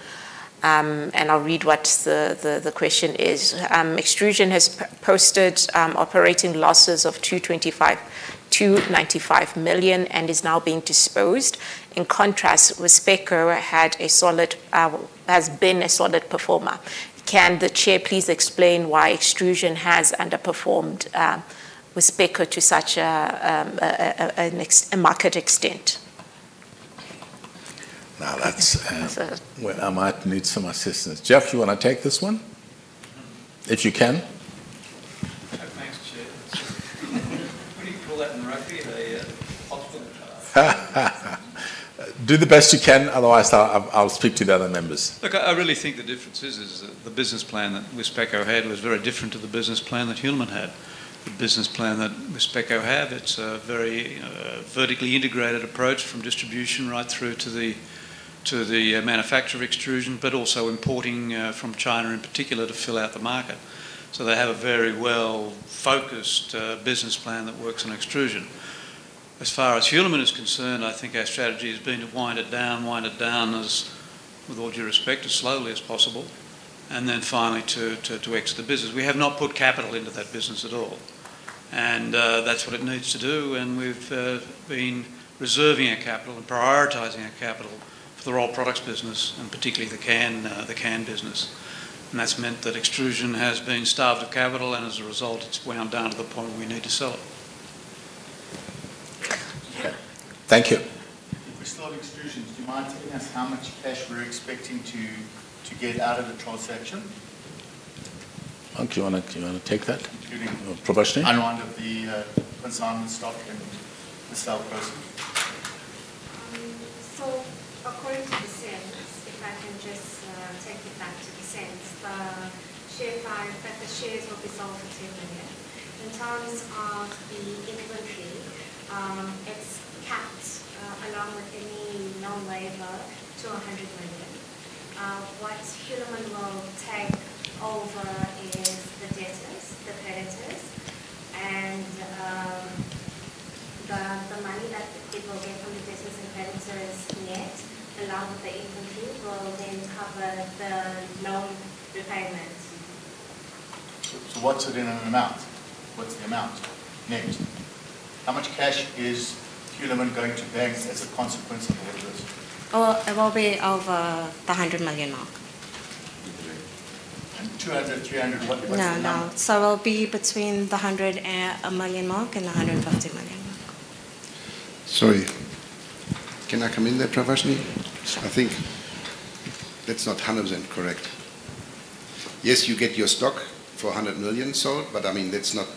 Speaker 3: I'll read what the question is. "Extrusion has posted operating losses of 295 million and is now being disposed. In contrast, Wispeco has been a solid performer. Can the chair please explain why Extrusion has underperformed Wispeco to such a market extent?
Speaker 1: That's where I might need some assistance. Jeff, you want to take this one? If you can.
Speaker 5: Thanks, Chair. What do you call that in rugby? A offload pass.
Speaker 1: Do the best you can, otherwise, I'll speak to the other members.
Speaker 5: I really think the difference is that the business plan that Wispeco had was very different to the business plan that Hulamin had. The business plan that Wispeco have, it's a very vertically integrated approach from distribution right through to the manufacture of extrusion, but also importing from China in particular to fill out the market. They have a very well-focused business plan that works in extrusion. As far as Hulamin is concerned, I think our strategy has been to wind it down as, with all due respect, slowly as possible, and then finally to exit the business. We have not put capital into that business at all, and that's what it needs to do, and we've been reserving our capital and prioritizing our capital for the raw products business, and particularly the can business. That's meant that extrusion has been starved of capital, and as a result, it's wound down to the point where we need to sell it.
Speaker 1: Yeah. Thank you.
Speaker 6: If we're still on Extrusions, do you mind telling us how much cash we're expecting to get out of the transaction?
Speaker 1: Do you, want to take that, Pravashni?
Speaker 7: Including unwind of the consignment stock and the sale proceeds?
Speaker 8: According to the slides, if I can just take it back to the slides, the shares will be sold for 2 million. In terms of the inventory, it's capped along with any non-labor to 100 million. What Hulamin will take over is the debtors, the creditors, and the money that it will get from the debtors and the creditors net, along with the inventory, will then cover the loan repayment.
Speaker 6: What's it in an amount? What's the amount net? How much cash is Hulamin going to bank as a consequence of all this?
Speaker 8: Oh, it will be over the 100 million mark.
Speaker 6: 200, 300, what's the number?
Speaker 8: No. It will be between the 100 million mark and 150 million mark.
Speaker 2: Sorry. Can I come in there, Pravashni? I think that's not 100% correct. Yes, you get your stock for 100 million sold, but I mean, that's not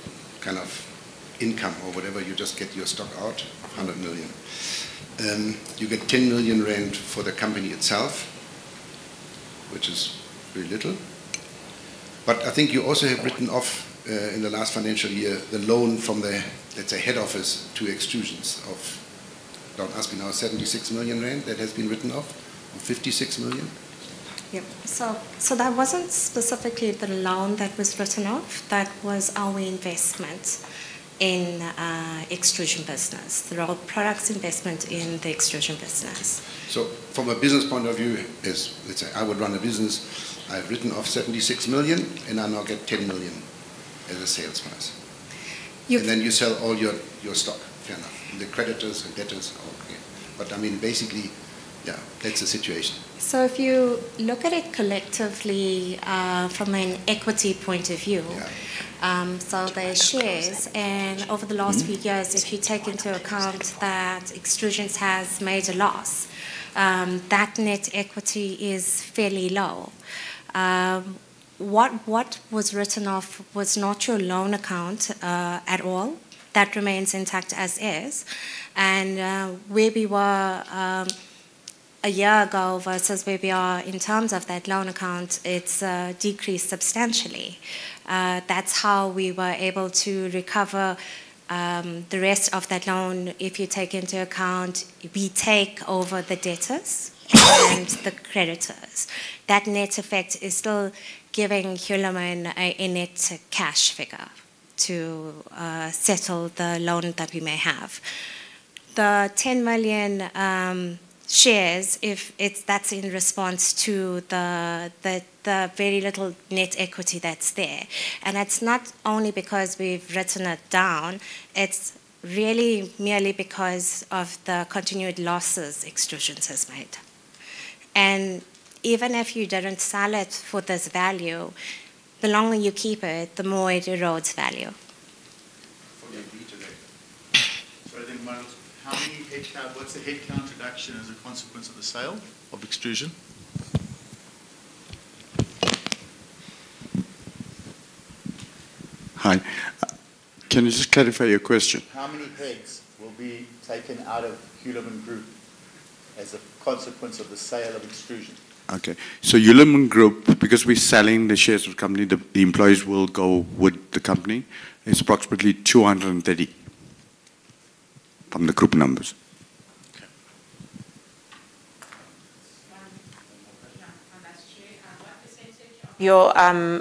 Speaker 2: income or whatever. You just get your stock out, 100 million. You get 10 million rand for the company itself, which is very little. I think you also have written off, in the last financial year, the loan from the, let's say, head office to extrusions of, don't ask me now, 76 million rand that has been written off, or 56 million.
Speaker 8: Yep. That wasn't specifically the loan that was written off. That was our investment in extrusion business, the raw products investment in the extrusion business.
Speaker 2: From a business point of view, let's say I would run a business, I've written off 76 million, and I now get 10 million as a sales price.
Speaker 8: You-
Speaker 2: Then you sell all your stock, fair enough. The creditors and debtors, all clear. I mean, basically, yeah, that's the situation.
Speaker 8: If you look at it collectively from an equity point of view.
Speaker 2: Yeah
Speaker 8: There's shares, and over the last few years, if you take into account that extrusions has made a loss, that net equity is fairly low. What was written off was not your loan account at all. That remains intact as is, and where we were a year ago versus where we are in terms of that loan account, it's decreased substantially. That's how we were able to recover the rest of that loan. If you take into account, we take over the debtors and the creditors. That net effect is still giving Hulamin a net cash figure to settle the loan that we may have. The 10 million shares, that's in response to the very little net equity that's there, and it's not only because we've written it down, it's really merely because of the continued losses extrusions has made. Even if you didn't sell it for this value, the longer you keep it, the more it erodes value.
Speaker 2: For the better then.
Speaker 6: I think, Miles, what's the headcount reduction as a consequence of the sale of extrusion?
Speaker 1: Hi. Can you just clarify your question?
Speaker 6: How many heads will be taken out of Hulamin Group as a consequence of the sale of extrusion?
Speaker 7: Hulamin Group, because we're selling the shares of the company, the employees will go with the company. It's approximately 230 from the group numbers.
Speaker 6: Okay.
Speaker 3: One more question.
Speaker 1: Yeah.
Speaker 3: That's to you. What percentage of your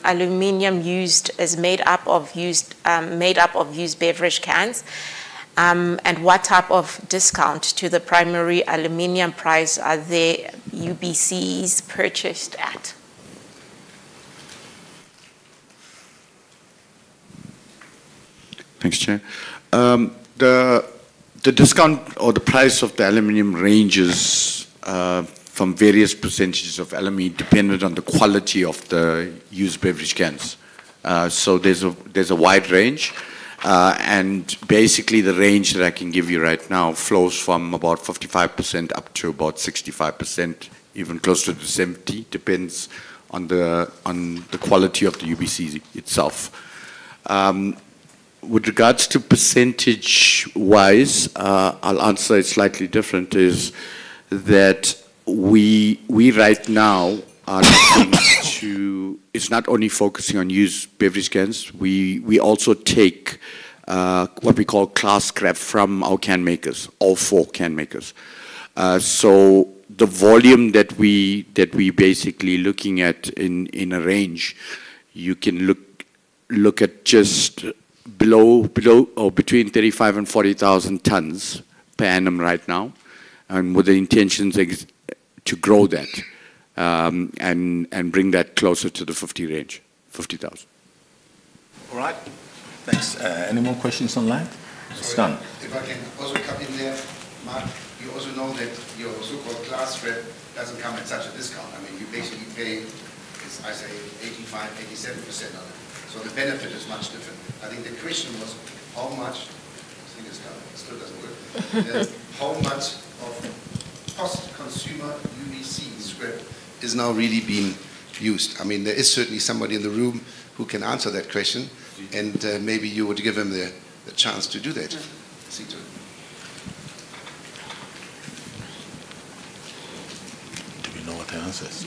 Speaker 3: aluminium used is made up of used beverage cans? What type of discount to the primary aluminium price are the UBCs purchased at?
Speaker 7: Thanks, Chair. The discount or the price of the aluminum ranges from various percentages of aluminum, dependent on the quality of the used beverage cans. There's a wide range, and basically the range that I can give you right now flows from about 55% up to about 65%, even close to 70%, depends on the quality of the UBC itself. With regards to percentage-wise, I'll answer it slightly different, is that we right now are not only focusing on used beverage cans. We also take what we call class scrap from our can makers, all four can makers. The volume that we basically looking at in a range, you can look— Look at just below or between 35,000 and 40,000 tons per annum right now, and with the intentions to grow that and bring that closer to the 50,000 range.
Speaker 1: All right, thanks. Any more questions online? Stan.
Speaker 2: Sorry, if I can also come in there. Mark, you also know that your so-called class scrap doesn't come at such a discount. You basically pay, I say, 85%, 87% on it. The benefit is much different. This thing is still doesn't work. How much of post-consumer UBC scrap is now really being used? There is certainly somebody in the room who can answer that question, and maybe you would give him the chance to do that.
Speaker 1: Sizwe. Do we know what the answer is?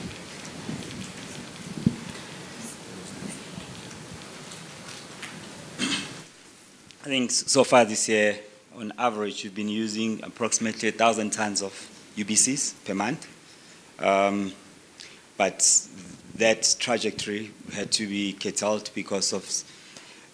Speaker 9: I think so far this year, on average, we've been using approximately 1,000 tons of UBCs per month. That trajectory had to be curtailed because of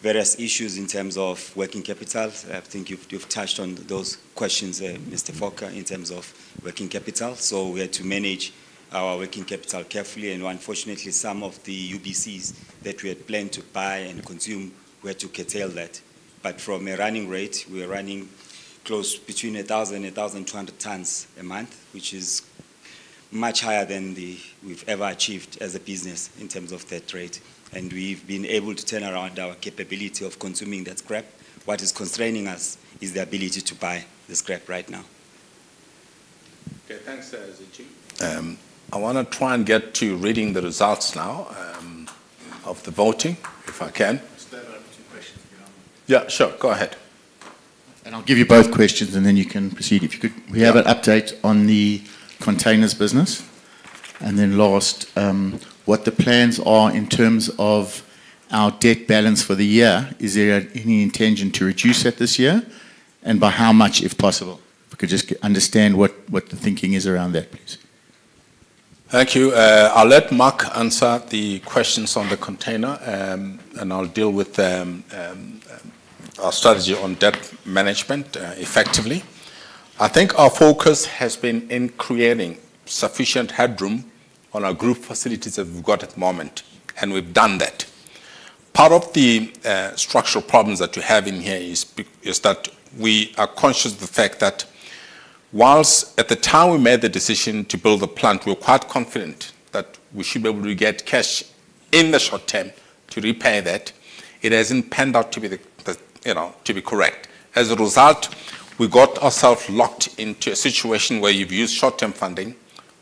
Speaker 9: various issues in terms of working capital. I think you've touched on those questions, Mr. Volker, in terms of working capital. We had to manage our working capital carefully and unfortunately, some of the UBCs that we had planned to buy and consume, we had to curtail that. From a running rate, we are running close to between 1,000 and 1,200 tons a month, which is much higher than we've ever achieved as a business in terms of that rate. We've been able to turn around our capability of consuming that scrap. What is constraining us is the ability to buy the scrap right now.
Speaker 1: Okay, thanks, Sizwe. I want to try and get to reading the results now, of the voting, if I can.
Speaker 6: I still have two questions if you don't mind.
Speaker 1: Yeah, sure. Go ahead.
Speaker 6: I'll give you both questions and then you can proceed. If you could, we have an update on the containers business, and then last, what the plans are in terms of our debt balance for the year. Is there any intention to reduce that this year? By how much, if possible? If I could just understand what the thinking is around that, please.
Speaker 1: Thank you. I'll let Mark answer the questions on the container, and I'll deal with our strategy on debt management, effectively. I think our focus has been in creating sufficient headroom on our group facilities that we've got at the moment, and we've done that. Part of the structural problems that we're having here is that we are conscious of the fact that whilst at the time we made the decision to build the plant, we were quite confident that we should be able to get cash in the short term to repay that. It hasn't panned out to be correct. As a result, we got ourselves locked into a situation where you've used short-term funding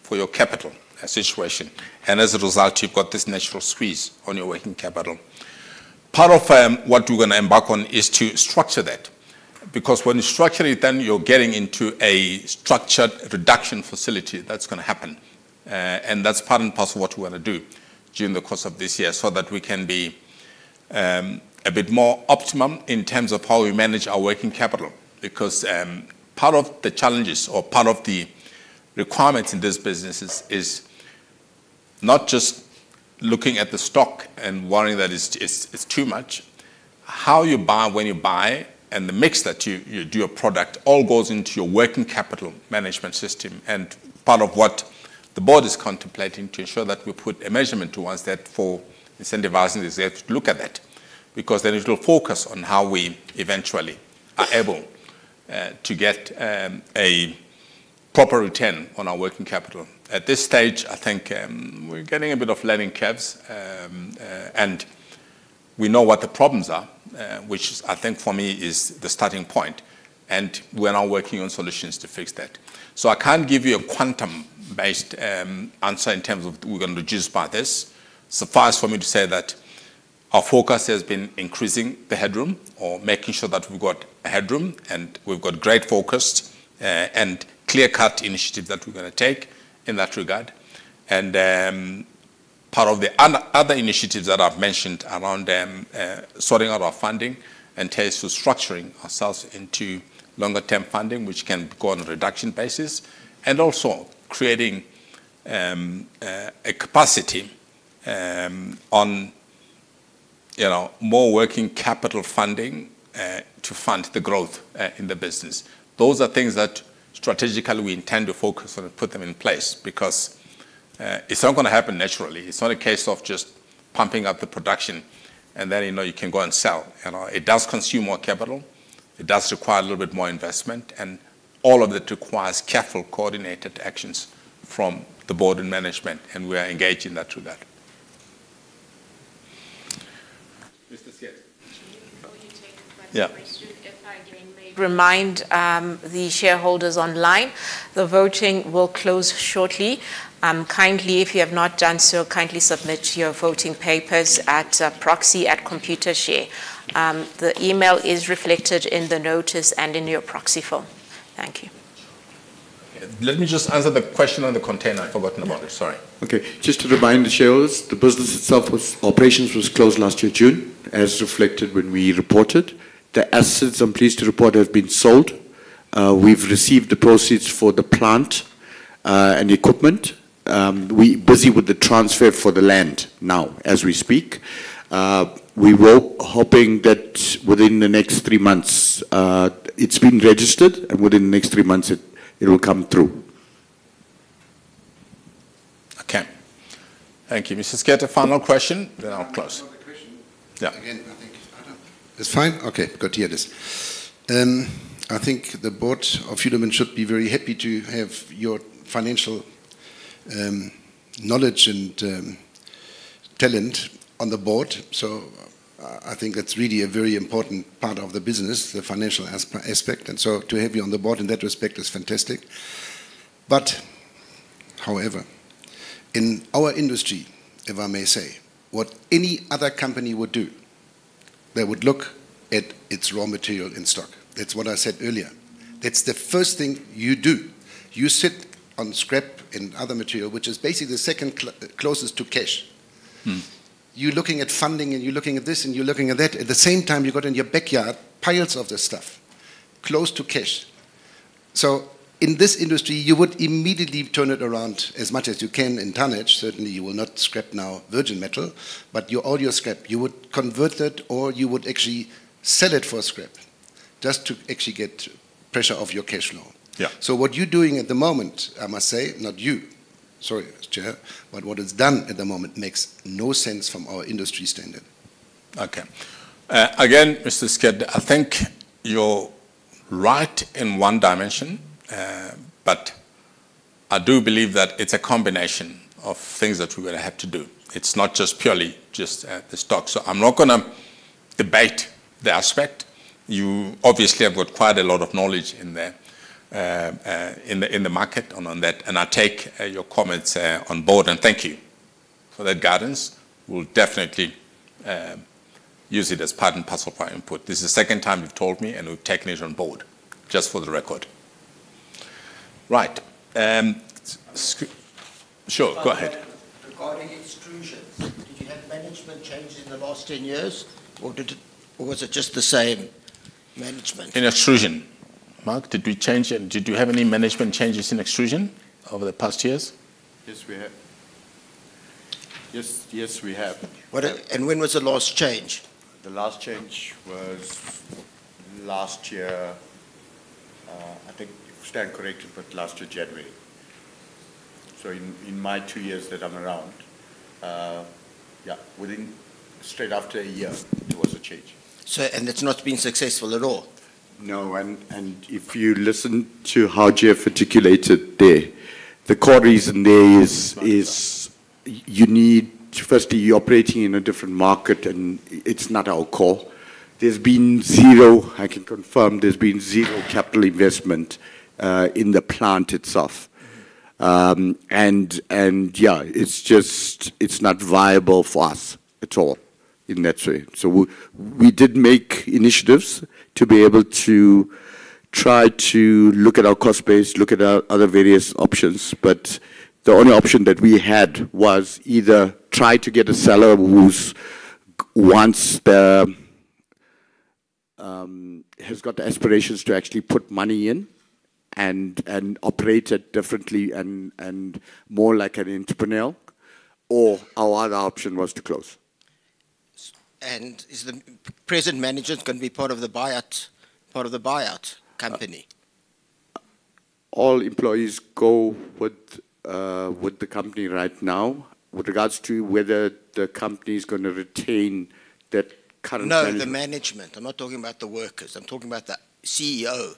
Speaker 1: for your capital situation. As a result, you've got this natural squeeze on your working capital. Part of what we're going to embark on is to structure that, because when you structure it, then you're getting into a structured reduction facility. That's going to happen. That's part and parcel what we're going to do during the course of this year so that we can be a bit more optimum in terms of how we manage our working capital. Part of the challenges or part of the requirements in this business is not just looking at the stock and worrying that it's too much. How you buy, when you buy, and the mix that you do a product, all goes into your working capital management system. Part of what the board is contemplating to ensure that we put a measurement towards that for incentivizing is they have to look at that, because then it'll focus on how we eventually are able to get a proper return on our working capital. At this stage, I think we're getting a bit of learning curves, and we know what the problems are, which I think for me is the starting point, and we're now working on solutions to fix that. I can't give you a quantum-based answer in terms of we're going to reduce by this. Suffice for me to say that our focus has been increasing the headroom or making sure that we've got headroom, and we've got great focus and clear-cut initiatives that we're going to take in that regard. Part of the other initiatives that I've mentioned around them, sorting out our funding in terms of structuring ourselves into longer-term funding, which can go on a reduction basis. Also creating a capacity on more working capital funding to fund the growth in the business. Those are things that strategically we intend to focus on and put them in place because it's not going to happen naturally. It's not a case of just pumping up the production and then you can go and sell. It does consume more capital. It does require a little bit more investment, and all of it requires careful, coordinated actions from the board and management, and we are engaged in that regard. Mr. Schütte.
Speaker 3: Before you take the next question.
Speaker 1: Yeah
Speaker 3: If I again may remind the shareholders online, the voting will close shortly. Kindly, if you have not done so, kindly submit your voting papers at proxy@computershare. The email is reflected in the notice and in your proxy form. Thank you.
Speaker 7: Let me just answer the question on the container. I've forgotten about it. Sorry. Okay. Just to remind the shareholders, the business itself operations was closed last year, June, as reflected when we reported. The assets, I'm pleased to report, have been sold. We've received the proceeds for the plant and equipment We're busy with the transfer for the land now, as we speak. We were hoping that within the next three months, it's been registered, and within the next three months, it will come through.
Speaker 1: Okay. Thank you. Mr. Schütte, a final question, then I'll close.
Speaker 2: Can I ask another question?
Speaker 1: Yeah.
Speaker 2: It's fine? Okay, good to hear this. I think the board of Hulamin should be very happy to have your financial knowledge and talent on the board. I think that's really a very important part of the business, the financial aspect, to have you on the board in that respect is fantastic. However, in our industry, if I may say, what any other company would do, they would look at its raw material in stock. That's what I said earlier. That's the first thing you do. You sit on scrap and other material, which is basically the second closest to cash. You're looking at funding, you're looking at this, and you're looking at that. At the same time, you've got in your backyard piles of this stuff, close to cash. In this industry, you would immediately turn it around as much as you can in tonnage. Certainly, you will not scrap now virgin metal, but all your scrap, you would convert it, or you would actually sell it for scrap, just to actually get pressure off your cash flow.
Speaker 1: Yeah.
Speaker 2: What you're doing at the moment, I must say, not you, sorry, chair, but what is done at the moment makes no sense from our industry standard.
Speaker 1: Okay. Again, Mr. Schütte, I think you're right in one dimension, but I do believe that it's a combination of things that we're going to have to do. It's not just purely just the stock. I'm not going to debate the aspect. You obviously have got quite a lot of knowledge in the market on that, and I take your comments on board, and thank you for that guidance. We'll definitely use it as part and parcel for our input. This is the second time you've told me, and we're taking it on board, just for the record. Right. Sure, go ahead.
Speaker 2: Regarding extrusions, did you have management change in the last 10 years? Was it just the same management?
Speaker 1: In extrusion. Mark, did you have any management changes in extrusion over the past years?
Speaker 7: Yes, we have.
Speaker 2: When was the last change?
Speaker 7: The last change was last year, I think, stand corrected, but last year January. In my two years that I'm around, yeah, within straight after one year, there was a change.
Speaker 2: It's not been successful at all?
Speaker 7: No. If you listen to how Jeff articulated there, the core reason there is you need, firstly, you are operating in a different market, and it is not our core. There has been zero, I can confirm there has been zero capital investment in the plant itself. Yeah, it is not viable for us at all in that way. We did make initiatives to be able to try to look at our cost base, look at our other various options. The only option that we had was either try to get a seller who has got the aspirations to actually put money in and operate it differently and more like an entrepreneur, or our other option was to close.
Speaker 2: Is the present management going to be part of the buyout company?
Speaker 7: All employees go with the company right now. With regards to whether the company's going to retain that current management.
Speaker 2: No, the management. I'm not talking about the workers. I'm talking about the CEO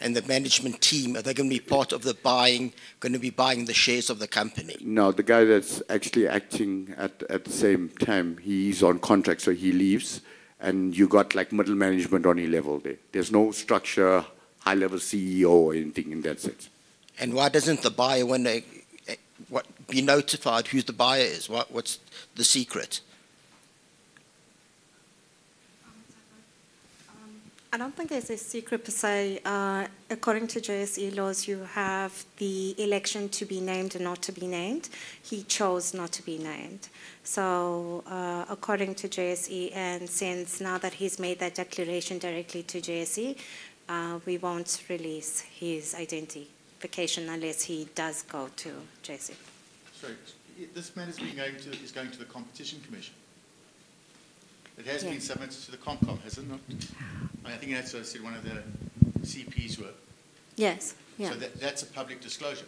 Speaker 2: and the management team. Are they going to be part of the buying, going to be buying the shares of the company?
Speaker 7: The guy that's actually acting at the same time, he's on contract, so he leaves, and you've got middle management on your level there. There's no structure, high-level CEO or anything in that sense.
Speaker 2: Why doesn't the buyer, when they, what, be notified who the buyer is? What's the secret?
Speaker 8: I don't think there's a secret per se. According to JSE laws, you have the election to be named or not to be named. He chose not to be named. According to JSE, and since now that he's made that declaration directly to JSE, we won't release his identification unless he does go to JSE.
Speaker 2: Sorry. This man is going to the Competition Commission.
Speaker 8: Yes.
Speaker 2: It has been submitted to the Competition Commission, has it not? I think that's, as I said, one of the CPs were.
Speaker 8: Yes. Yeah.
Speaker 2: That's a public disclosure.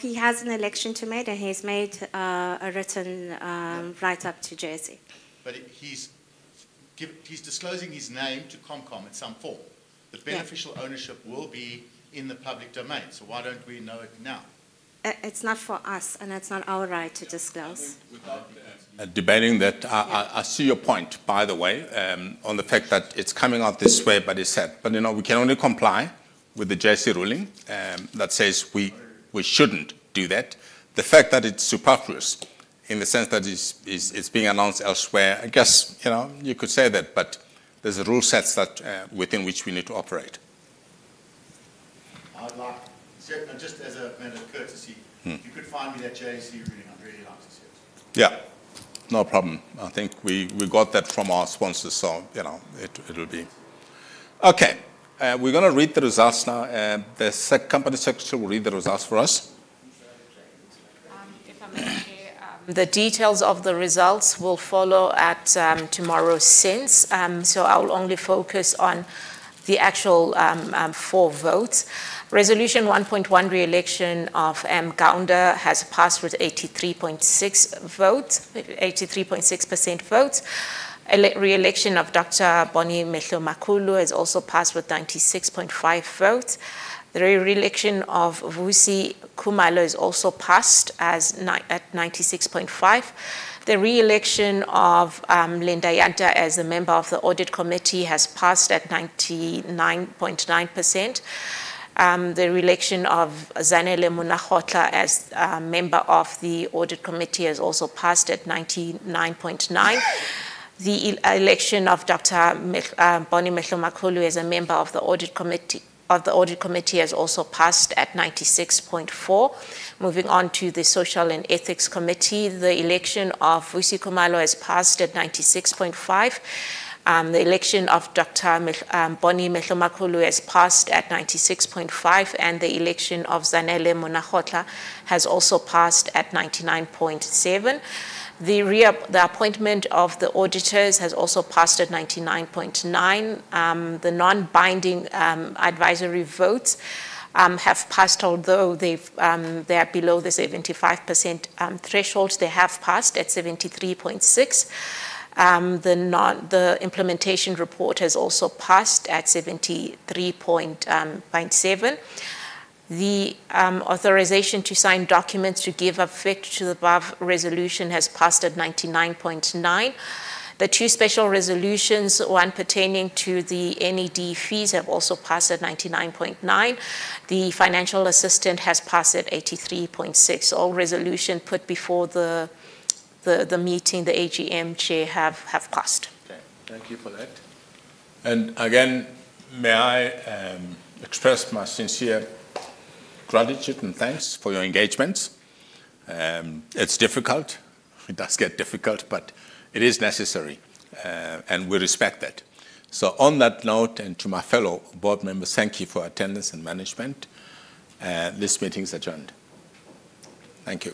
Speaker 8: He has an election to make, and he's made a written write-up to JSE.
Speaker 2: He's disclosing his name to Competition Commission in some form.
Speaker 8: Yeah.
Speaker 2: The beneficial ownership will be in the public domain, so why don't we know it now?
Speaker 8: It's not for us, and that's not our right to disclose.
Speaker 1: Without debating that, I see your point, by the way, on the fact that it's coming out this way, but it's that. We can only comply with the JSE ruling that says we shouldn't do that. The fact that it's superfluous in the sense that it's being announced elsewhere, I guess you could say that, but there's rule sets within which we need to operate.
Speaker 2: I'd like, just as a matter of courtesy. If you could find me that JSE ruling, I'd really like to see it.
Speaker 1: Yeah. No problem. I think we got that from our sponsors, so it'll be okay. Okay. We're going to read the results now. The Company Secretary will read the results for us.
Speaker 3: If I may, chair. The details of the results will follow at tomorrow's SENS. I will only focus on the actual full votes. Resolution 1.1, reelection of M. Gounder has passed with 83.6%. Reelection of Dr. Boni Mehlomakulu has also passed with 96.5%. The reelection of Vusi Khumalo is also passed at 96.5%. The reelection of Linda Yanta as a member of the Audit Committee has passed at 99.9%. The reelection ofZanele Monnakgotla as a member of the Audit Committee has also passed at 99.9%. The election of Dr. Boni Mehlomakulu as a member of the Audit Committee has also passed at 96.4%. Moving on to the Social and Ethics Committee, the election of Vusi Khumalo has passed at 96.5%. The election of Dr. Boni Mehlomakulu has passed at 96.5%, and the election of Zanele Monnakgotla has also passed at 99.7%. The appointment of the auditors has also passed at 99.9%. The non-binding advisory votes have passed, although they are below the 75% threshold, they have passed at 73.6%. The implementation report has also passed at 73.7%. The authorization to sign documents to give effect to the above resolution has passed at 99.9%. The two special resolutions, one pertaining to the NED fees, have also passed at 99.9%. The financial assistance has passed at 83.6%. All resolution put before the meeting, the AGM chair, have passed.
Speaker 1: Okay. Thank you for that. Again, may I express my sincere gratitude and thanks for your engagement. It's difficult. It does get difficult, but it is necessary, and we respect that. On that note, and to my fellow board members, thank you for attendance and management. This meeting's adjourned. Thank you